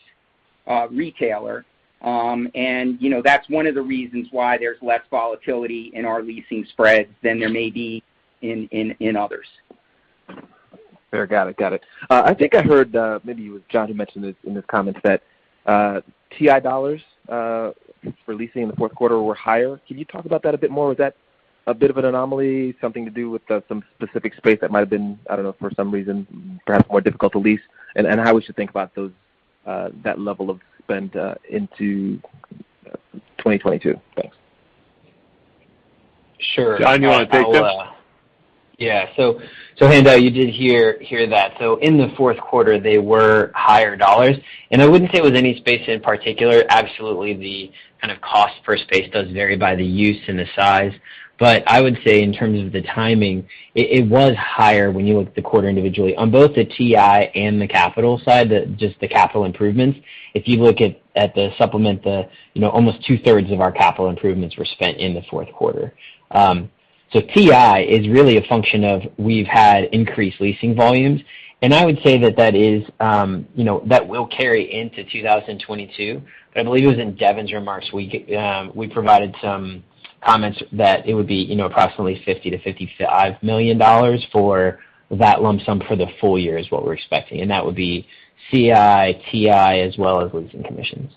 retailer. You know, that's one of the reasons why there's less volatility in our leasing spreads than there may be in others.
Fair. Got it. I think I heard, maybe it was John who mentioned this in his comments that TI dollars for leasing in the fourth quarter were higher. Can you talk about that a bit more? Was that a bit of an anomaly, something to do with some specific space that might have been, I don't know, for some reason, perhaps more difficult to lease? How we should think about those, that level of spend, into 2022? Thanks.
Sure.
John, you wanna take this?
Haendel, you did hear that. In the fourth quarter, they were higher dollars. I wouldn't say it was any space in particular. Absolutely, the kind of cost per space does vary by the use and the size. I would say in terms of the timing, it was higher when you look at the quarter individually. On both the TI and the capital side, the capital improvements, if you look at the supplement, you know, almost 2/3 of our capital improvements were spent in the fourth quarter. TI is really a function of we've had increased leasing volumes. I would say that is, you know, that will carry into 2022. I believe it was in Devin's remarks, we provided some comments that it would be, you know, approximately $50 million-$55 million for that lump sum for the full year is what we're expecting. That would be CI, TI, as well as leasing commissions.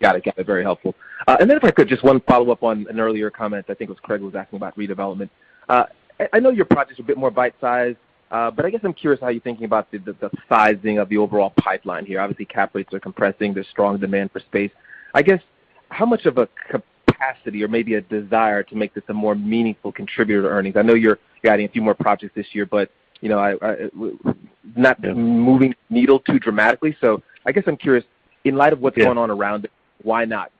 Got it. Very helpful. If I could just one follow-up on an earlier comment. I think it was Craig was asking about redevelopment. I know your project is a bit more bite-sized, but I guess I'm curious how you're thinking about the sizing of the overall pipeline here. Obviously, cap rates are compressing. There's strong demand for space. I guess, how much of a capacity or maybe a desire to make this a more meaningful contributor to earnings? I know you're adding a few more projects this year, but you know, it's not moving the needle too dramatically. I guess I'm curious, in light of what's going on around it, why not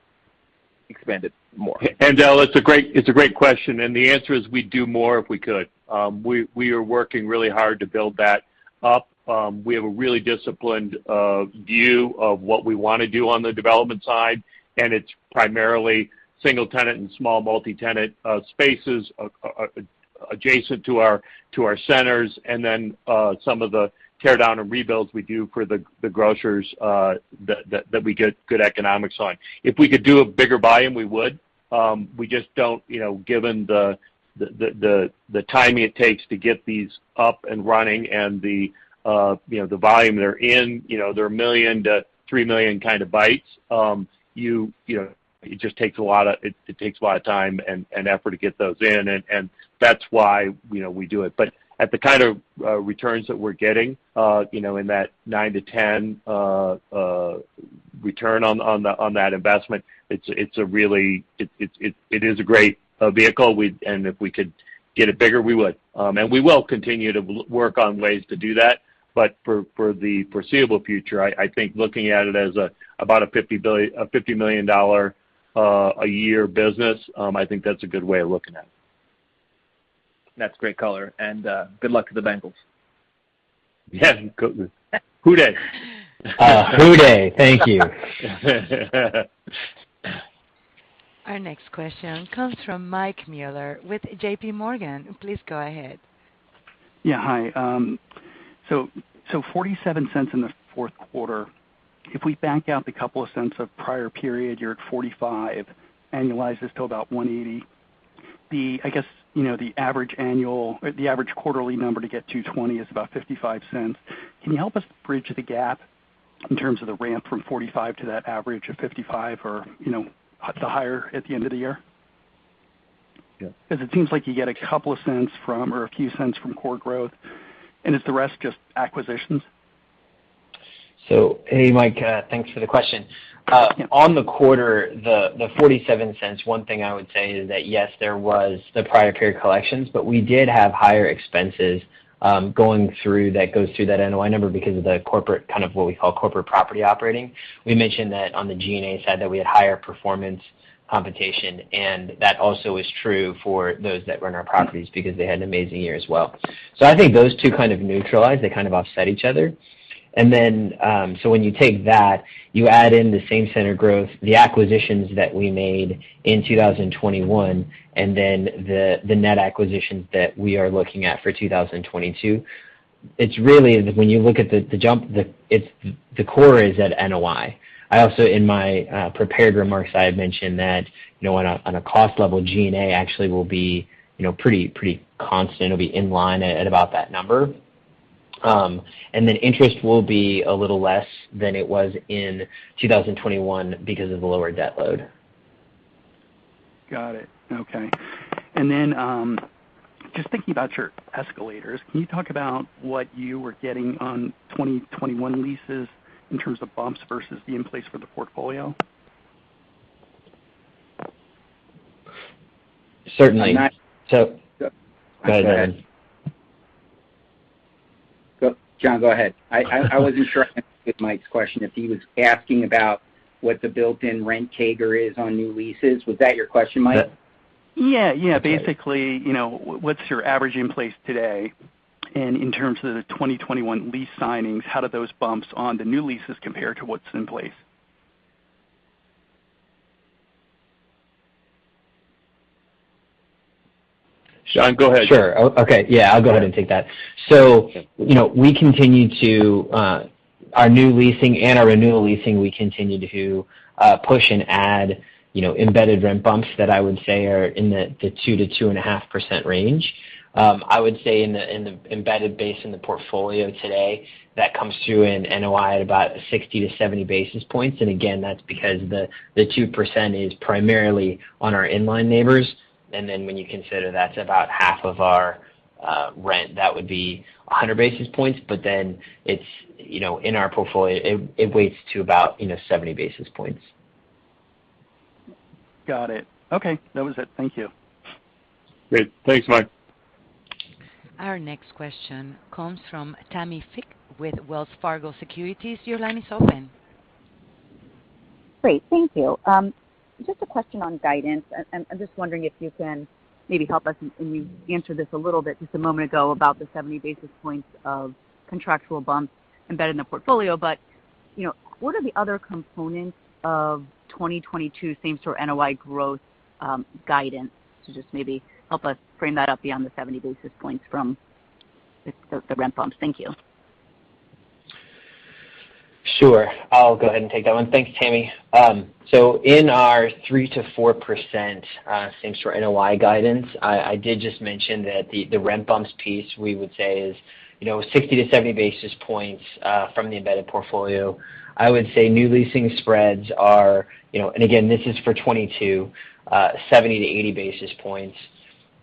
expand it more?
Haendel, it's a great question, and the answer is we'd do more if we could. We are working really hard to build that up. We have a really disciplined view of what we wanna do on the development side, and it's primarily single tenant and small multi-tenant spaces adjacent to our centers, and then some of the tear down and rebuilds we do for the grocers that we get good economics on. If we could do a bigger volume, we would. We just don't, you know, given the timing it takes to get these up and running and the volume they're in. You know, they're 1 million-3 million kind of bites. You know, it just takes a lot of... It takes a lot of time and effort to get those in. That's why, you know, we do it. At the kind of returns that we're getting, you know, in that 9%-10% return on that investment, it's a really great vehicle. If we could get it bigger, we would. We will continue to work on ways to do that. For the foreseeable future, I think looking at it as about a $50 million-a-year business, I think that's a good way of looking at it.
That's great color, and good luck to the Bengals.
Yeah. Who dey?
Who dey? Thank you.
Our next question comes from Mike Mueller with JPMorgan. Please go ahead.
Yeah. Hi. So $0.47 in the fourth quarter. If we back out the couple of cents of prior period, you're at $0.45, annualize this to about $1.80. I guess, you know, the average quarterly number to get $2.20 is about $0.55. Can you help us bridge the gap in terms of the ramp from $0.45 to that average of $0.55 or, you know, the higher at the end of the year?
Yeah.
'Cause it seems like you get a couple of cents from or a few cents from core growth. Is the rest just acquisitions?
Hey, Mike, thanks for the question. On the quarter, the $0.47, one thing I would say is that, yes, there was the prior period collections, but we did have higher expenses going through that NOI number because of the corporate, kind of what we call corporate property operating. We mentioned that on the G&A side that we had higher performance compensation, and that also is true for those that run our properties because they had an amazing year as well. I think those two kind of neutralize, they kind of offset each other. So when you take that, you add in the same center growth, the acquisitions that we made in 2021, and then the net acquisitions that we are looking at for 2022, it's really when you look at the jump. It's the core is at NOI. I also, in my prepared remarks, I had mentioned that, you know, on a cost level, G&A actually will be, you know, pretty constant. It'll be in line at about that number, and then interest will be a little less than it was in 2021 because of the lower debt load.
Got it. Okay. Just thinking about your escalators, can you talk about what you were getting on 2021 leases in terms of bumps versus the in-place for the portfolio?
Certainly.
And I-
Go ahead.
John, go ahead. I wasn't sure with Mike's question if he was asking about what the built-in rent CAGR is on new leases. Was that your question, Mike?
Yeah. Yeah.
Okay.
Basically, you know, what's your average in place today? In terms of the 2021 lease signings, how do those bumps on the new leases compare to what's in place?
John, go ahead.
Sure. Okay. Yeah, I'll go ahead and take that. You know, we continue to push and add in our new leasing and our renewal leasing, you know, embedded rent bumps that I would say are in the 2%-2.5% range. I would say in the embedded base in the portfolio today that comes through in NOI at about 60-70 basis points. Again, that's because the 2% is primarily on our inline neighbors. When you consider that's about half of our rent, that would be 100 basis points, but then it's, you know, in our portfolio, it weights to about, you know, 70 basis points.
Got it. Okay. That was it. Thank you.
Great. Thanks, Mike.
Our next question comes from Tammi Fique with Wells Fargo Securities. Your line is open.
Great. Thank you. Just a question on guidance. I'm just wondering if you can maybe help us, and you answered this a little bit just a moment ago about the 70 basis points of contractual bumps embedded in the portfolio. But, you know, what are the other components of 2022 same-store NOI growth guidance to just maybe help us frame that up beyond the 70 basis points from the rent bumps? Thank you.
Sure. I'll go ahead and take that one. Thanks, Tammi. In our 3%-4% same store NOI guidance, I did just mention that the rent bumps piece we would say is, you know, 60-70 basis points from the embedded portfolio. I would say new leasing spreads are, you know, and again, this is for 2022, 70-80 basis points.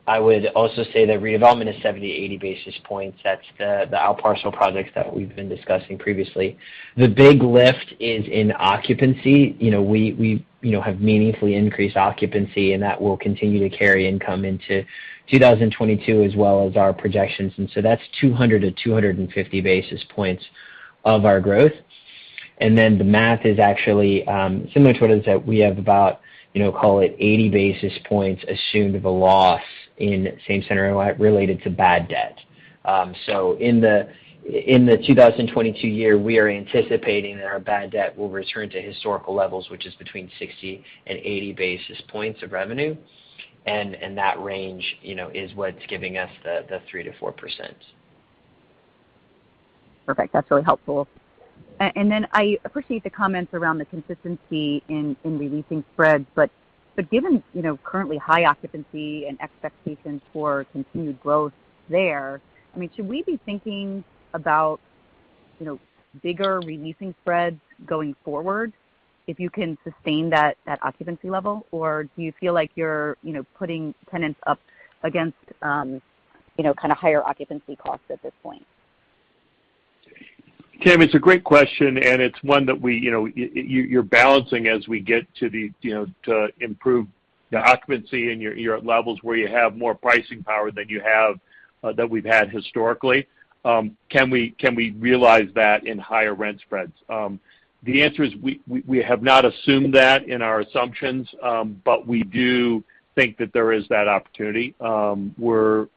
I would also say that redevelopment is 70-80 basis points. That's the outparcel projects that we've been discussing previously. The big lift is in occupancy. You know, we have meaningfully increased occupancy, and that will continue to carry income into 2022 as well as our projections. That's 200-250 basis points of our growth. The math is actually similar to what I just said. We have about, you know, call it 80 basis points assumed of a loss in same center NOI related to bad debt. In the 2022 year, we are anticipating that our bad debt will return to historical levels, which is between 60 and 80 basis points of revenue. That range, you know, is what's giving us the 3%-4%.
Perfect. That's really helpful. I appreciate the comments around the consistency in re-leasing spreads. Given, you know, currently high occupancy and expectations for continued growth there, I mean, should we be thinking about, you know, bigger re-leasing spreads going forward if you can sustain that occupancy level? Do you feel like you're, you know, putting tenants up against, you know, kind of higher occupancy costs at this point?
Tammy, it's a great question, and it's one that we, you know, you're balancing as we get to the, you know, to improve the occupancy and you're at levels where you have more pricing power than you have than we've had historically. Can we realize that in higher rent spreads? The answer is we have not assumed that in our assumptions, but we do think that there is that opportunity. We're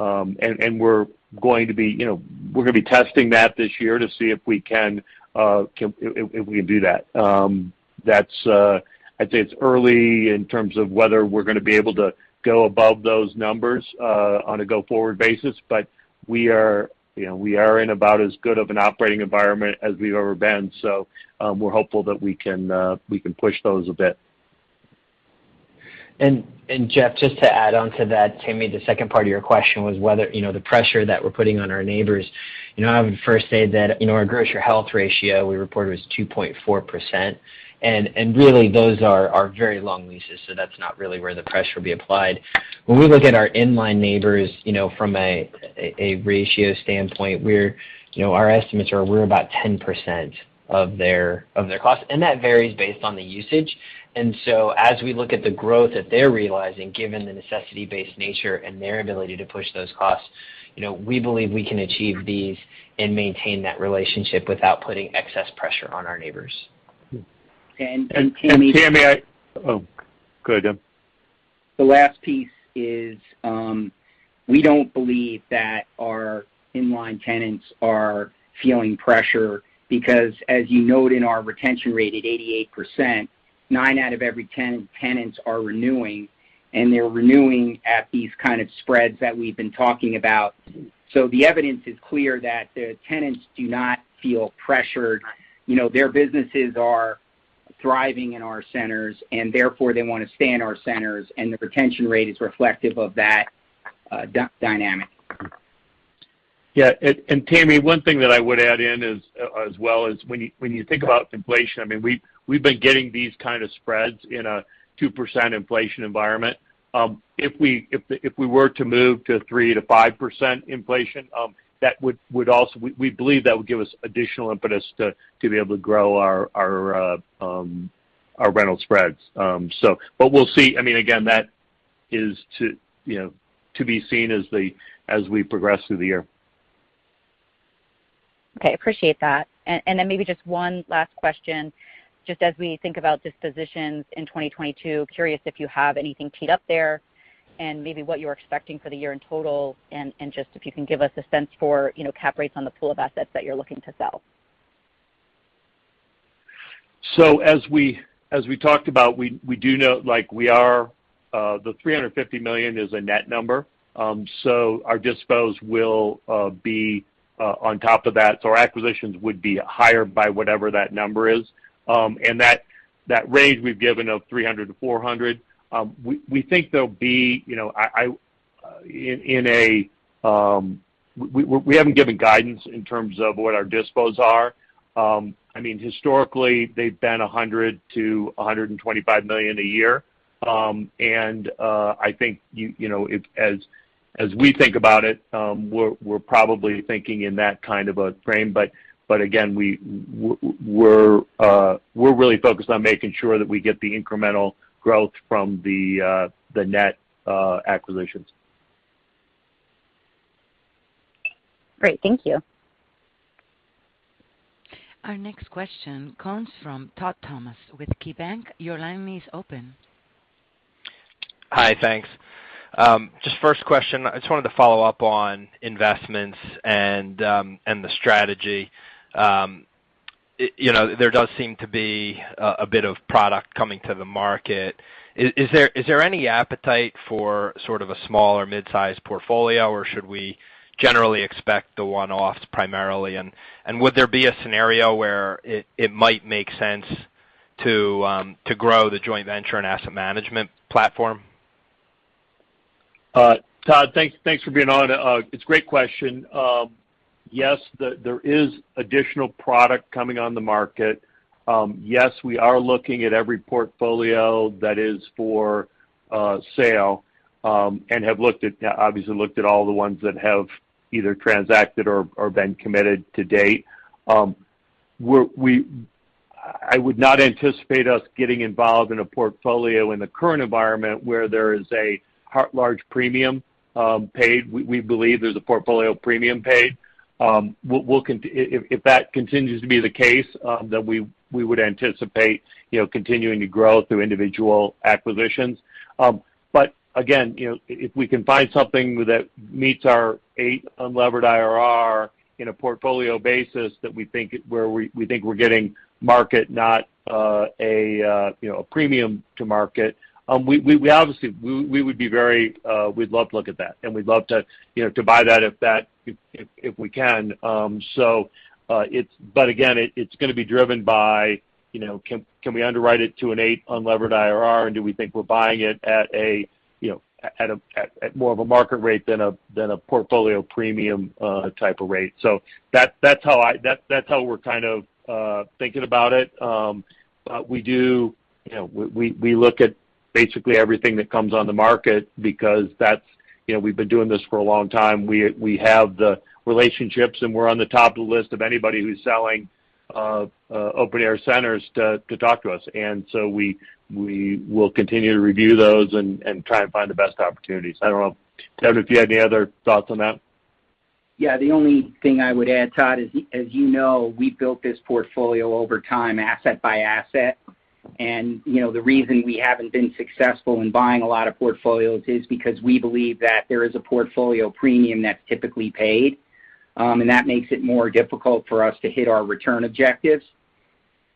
and we're going to be, you know, we're gonna be testing that this year to see if we can if we can do that. That's. I'd say it's early in terms of whether we're gonna be able to go above those numbers, on a go-forward basis, but we are, you know, we are in about as good of an operating environment as we've ever been. We're hopeful that we can push those a bit.
Jeff, just to add on to that, Tammi, the second part of your question was whether you know the pressure that we're putting on our neighbors. You know, I would first say that you know our rent-to-sales ratio we reported was 2.4%. Really those are very long leases, so that's not really where the pressure will be applied. When we look at our inline neighbors you know from a ratio standpoint we're you know our estimates are we're about 10% of their sales and that varies based on the usage. As we look at the growth that they're realizing, given the necessity-based nature and their ability to push those costs you know we believe we can achieve these and maintain that relationship without putting excess pressure on our neighbors.
Oh, go ahead, Dan.
The last piece is, we don't believe that our inline tenants are feeling pressure because as you note in our retention rate at 88%, nine out of every 10 tenants are renewing, and they're renewing at these kind of spreads that we've been talking about. The evidence is clear that the tenants do not feel pressured. You know, their businesses are Thriving in our centers, and therefore they wanna stay in our centers, and the retention rate is reflective of that, dynamic.
Tammy, one thing that I would add in is, as well is when you think about inflation, I mean, we've been getting these kind of spreads in a 2% inflation environment. If we were to move to 3%-5% inflation, that would also. We believe that would give us additional impetus to be able to grow our rental spreads. But we'll see. I mean, again, that is, you know, to be seen as we progress through the year.
Okay. Appreciate that. Then maybe just one last question, just as we think about dispositions in 2022, curious if you have anything teed up there and maybe what you're expecting for the year in total, and just if you can give us a sense for, you know, cap rates on the pool of assets that you're looking to sell.
As we talked about, we do know, like, the $350 million is a net number. Our dispositions will be on top of that. Our acquisitions would be higher by whatever that number is. And that range we've given of $300 million-$400 million, we think there'll be, you know. We haven't given guidance in terms of what our dispositions are. I mean, historically, they've been $100 million-$125 million a year. I think you know, as we think about it, we're probably thinking in that kind of a frame. Again, we're really focused on making sure that we get the incremental growth from the net acquisitions.
Great. Thank you.
Our next question comes from Todd Thomas with KeyBanc. Your line is open.
Hi. Thanks. Just first question, I just wanted to follow up on investments and the strategy. You know, there does seem to be a bit of product coming to the market. Is there any appetite for sort of a small or mid-sized portfolio, or should we generally expect the one-offs primarily? Would there be a scenario where it might make sense to grow the joint venture and asset management platform?
Todd, thanks for being on. It's a great question. Yes, there is additional product coming on the market. Yes, we are looking at every portfolio that is for sale, and have looked at, obviously, all the ones that have either transacted or been committed to date. I would not anticipate us getting involved in a portfolio in the current environment where there is a large premium paid. We believe there's a portfolio premium paid. If that continues to be the case, then we would anticipate, you know, continuing to grow through individual acquisitions. Again, you know, if we can find something that meets our 8 unlevered IRR in a portfolio basis where we think we're getting market, not a premium to market, we would be very, we'd love to look at that, and we'd love to, you know, to buy that if we can. Again, it's gonna be driven by, you know, can we underwrite it to an eight unlevered IRR, and do we think we're buying it at a more of a market rate than a portfolio premium type of rate? That's how we're kind of thinking about it. We do... You know, we look at basically everything that comes on the market because that's. You know, we've been doing this for a long time. We have the relationships, and we're on the top of the list of anybody who's selling open-air centers to talk to us. We will continue to review those and try and find the best opportunities. I don't know, Devin, if you had any other thoughts on that.
Yeah. The only thing I would add, Todd, is, as you know, we built this portfolio over time, asset by asset. You know, the reason we haven't been successful in buying a lot of portfolios is because we believe that there is a portfolio premium that's typically paid, and that makes it more difficult for us to hit our return objectives.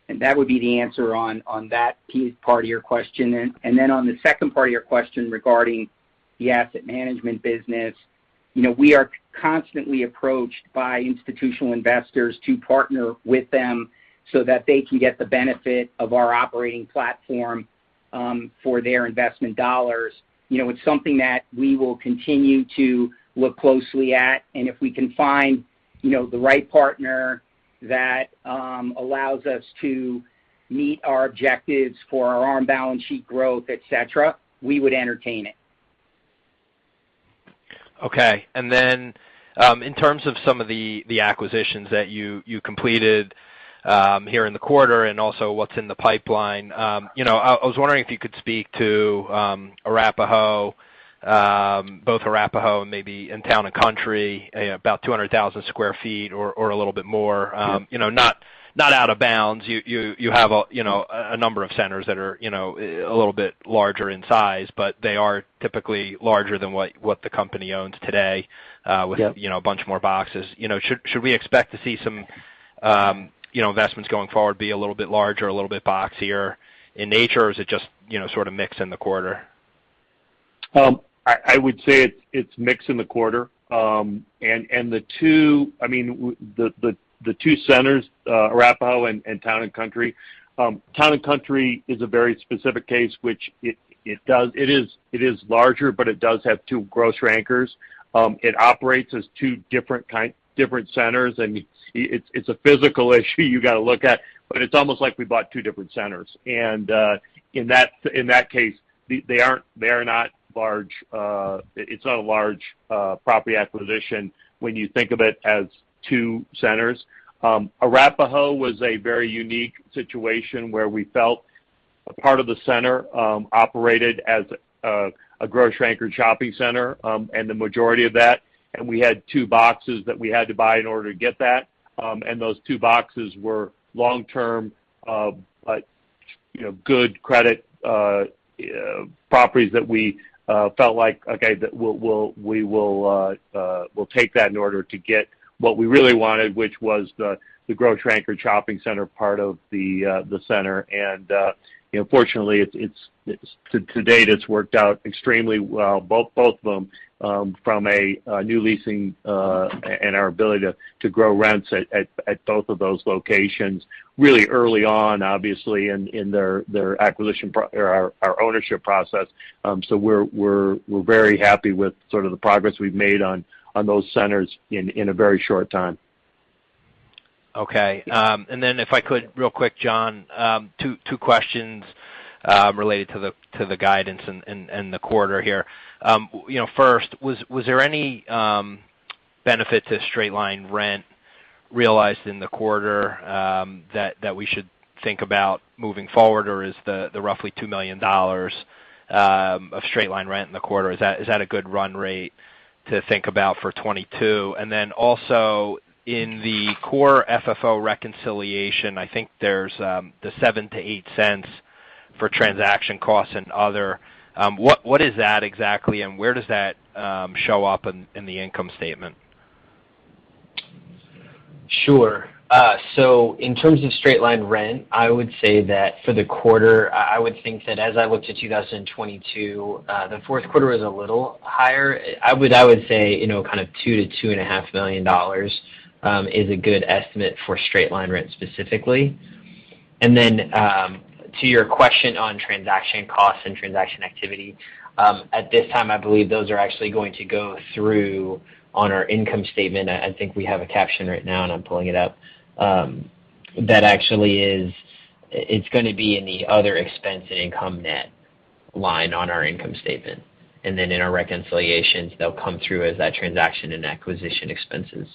That would be the answer on that part of your question then. Then on the second part of your question regarding the asset management business, you know, we are constantly approached by institutional investors to partner with them so that they can get the benefit of our operating platform, for their investment dollars. You know, it's something that we will continue to look closely at, and if we can find, you know, the right partner that allows us to meet our objectives for our own balance sheet growth, et cetera, we would entertain it.
Okay. Then, in terms of some of the acquisitions that you completed here in the quarter and also what's in the pipeline, you know, I was wondering if you could speak to Arapahoe, both Arapahoe and maybe Town & Country, about 200,000 sq ft or a little bit more. You know, not out of bounds. You have, you know, a number of centers that are, you know, a little bit larger in size, but they are typically larger than what the company owns today, with-
Yep.
You know, a bunch more boxes. You know, should we expect to see some, you know, investments going forward be a little bit larger, a little bit boxier in nature, or is it just, you know, sort of mixed in the quarter?
I would say it's mixed in the quarter. I mean, the two centers, Arapahoe and Town & Country. Town & Country is a very specific case, which it is larger, but it does have two grocery anchors. It operates as two different centers, and it's a physical issue you gotta look at, but it's almost like we bought two different centers. In that case, they are not large. It's not a large property acquisition when you think of it as two centers. Arapahoe was a very unique situation where we felt a part of the center operated as a grocery anchored shopping center, and the majority of that. We had two boxes that we had to buy in order to get that. Those two boxes were long-term, you know, good credit properties that we felt like, okay, that we'll take that in order to get what we really wanted, which was the grocery anchored shopping center part of the center. You know, fortunately, it's to date, it's worked out extremely well, both of them, from a new leasing and our ability to grow rents at both of those locations really early on, obviously, in their acquisition or our ownership process. We're very happy with sort of the progress we've made on those centers in a very short time.
Okay. If I could real quick, John, two questions related to the guidance and the quarter here. You know, first, was there any benefit to straight-line rent realized in the quarter that we should think about moving forward? Or is the roughly $2 million of straight-line rent in the quarter a good run rate to think about for 2022? Also in the core FFO reconciliation, I think there's the $0.07-$0.08 for transaction costs and other. What is that exactly, and where does that show up in the income statement?
Sure. In terms of straight-line rent, I would say that for the quarter, I would think that as I look to 2022, the fourth quarter is a little higher. I would say, you know, kind of $2 million-$2.5 million is a good estimate for straight-line rent specifically. Then, to your question on transaction costs and transaction activity, at this time, I believe those are actually going to go through on our income statement. I think we have a caption right now, and I'm pulling it up. That actually is. It's gonna be in the other expense and income net line on our income statement. In our reconciliations, they'll come through as that transaction and acquisition expenses,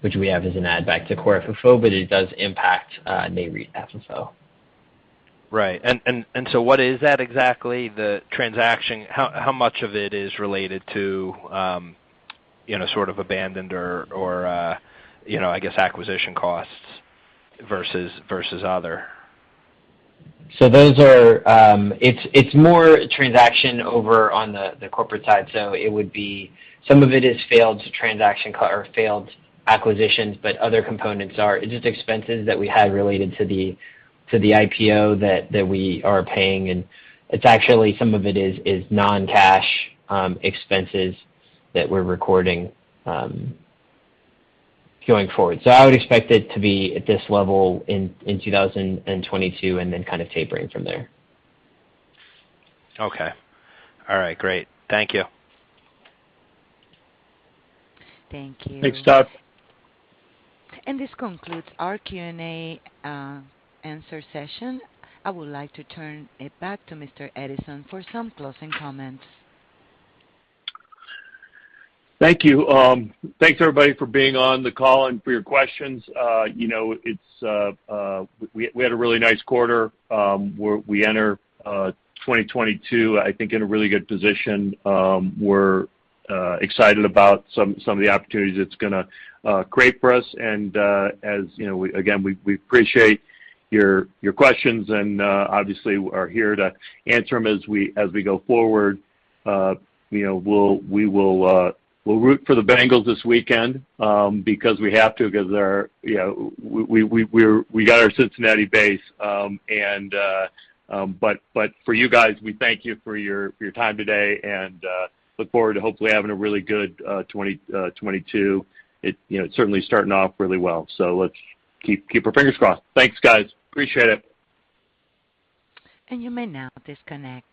which we have as an add back to core FFO, but it does impact NAREIT FFO.
Right. What is that exactly? The transaction, how much of it is related to, you know, sort of abandoned or, you know, I guess acquisition costs versus other?
Those are. It's more transactional on the corporate side. It would be some of it is failed transaction costs or failed acquisitions, but other components are just expenses that we had related to the IPO that we are paying. It's actually some of it is non-cash expenses that we're recording going forward. I would expect it to be at this level in 2022 and then kind of tapering from there.
Okay. All right, great. Thank you.
Thank you.
Thanks, Todd.
This concludes our Q&A, answer session. I would like to turn it back to Mr. Edison for some closing comments.
Thank you. Thanks, everybody, for being on the call and for your questions. You know, we had a really nice quarter, as we enter 2022, I think, in a really good position. We're excited about some of the opportunities it's gonna create for us. As you know, again, we appreciate your questions and obviously are here to answer them as we go forward. You know, we'll root for the Bengals this weekend, because we have to because they're, you know, we got our Cincinnati base. For you guys, we thank you for your time today and look forward to hopefully having a really good 2022. It, you know, it's certainly starting off really well. Let's keep our fingers crossed. Thanks, guys. Appreciate it.
You may now disconnect.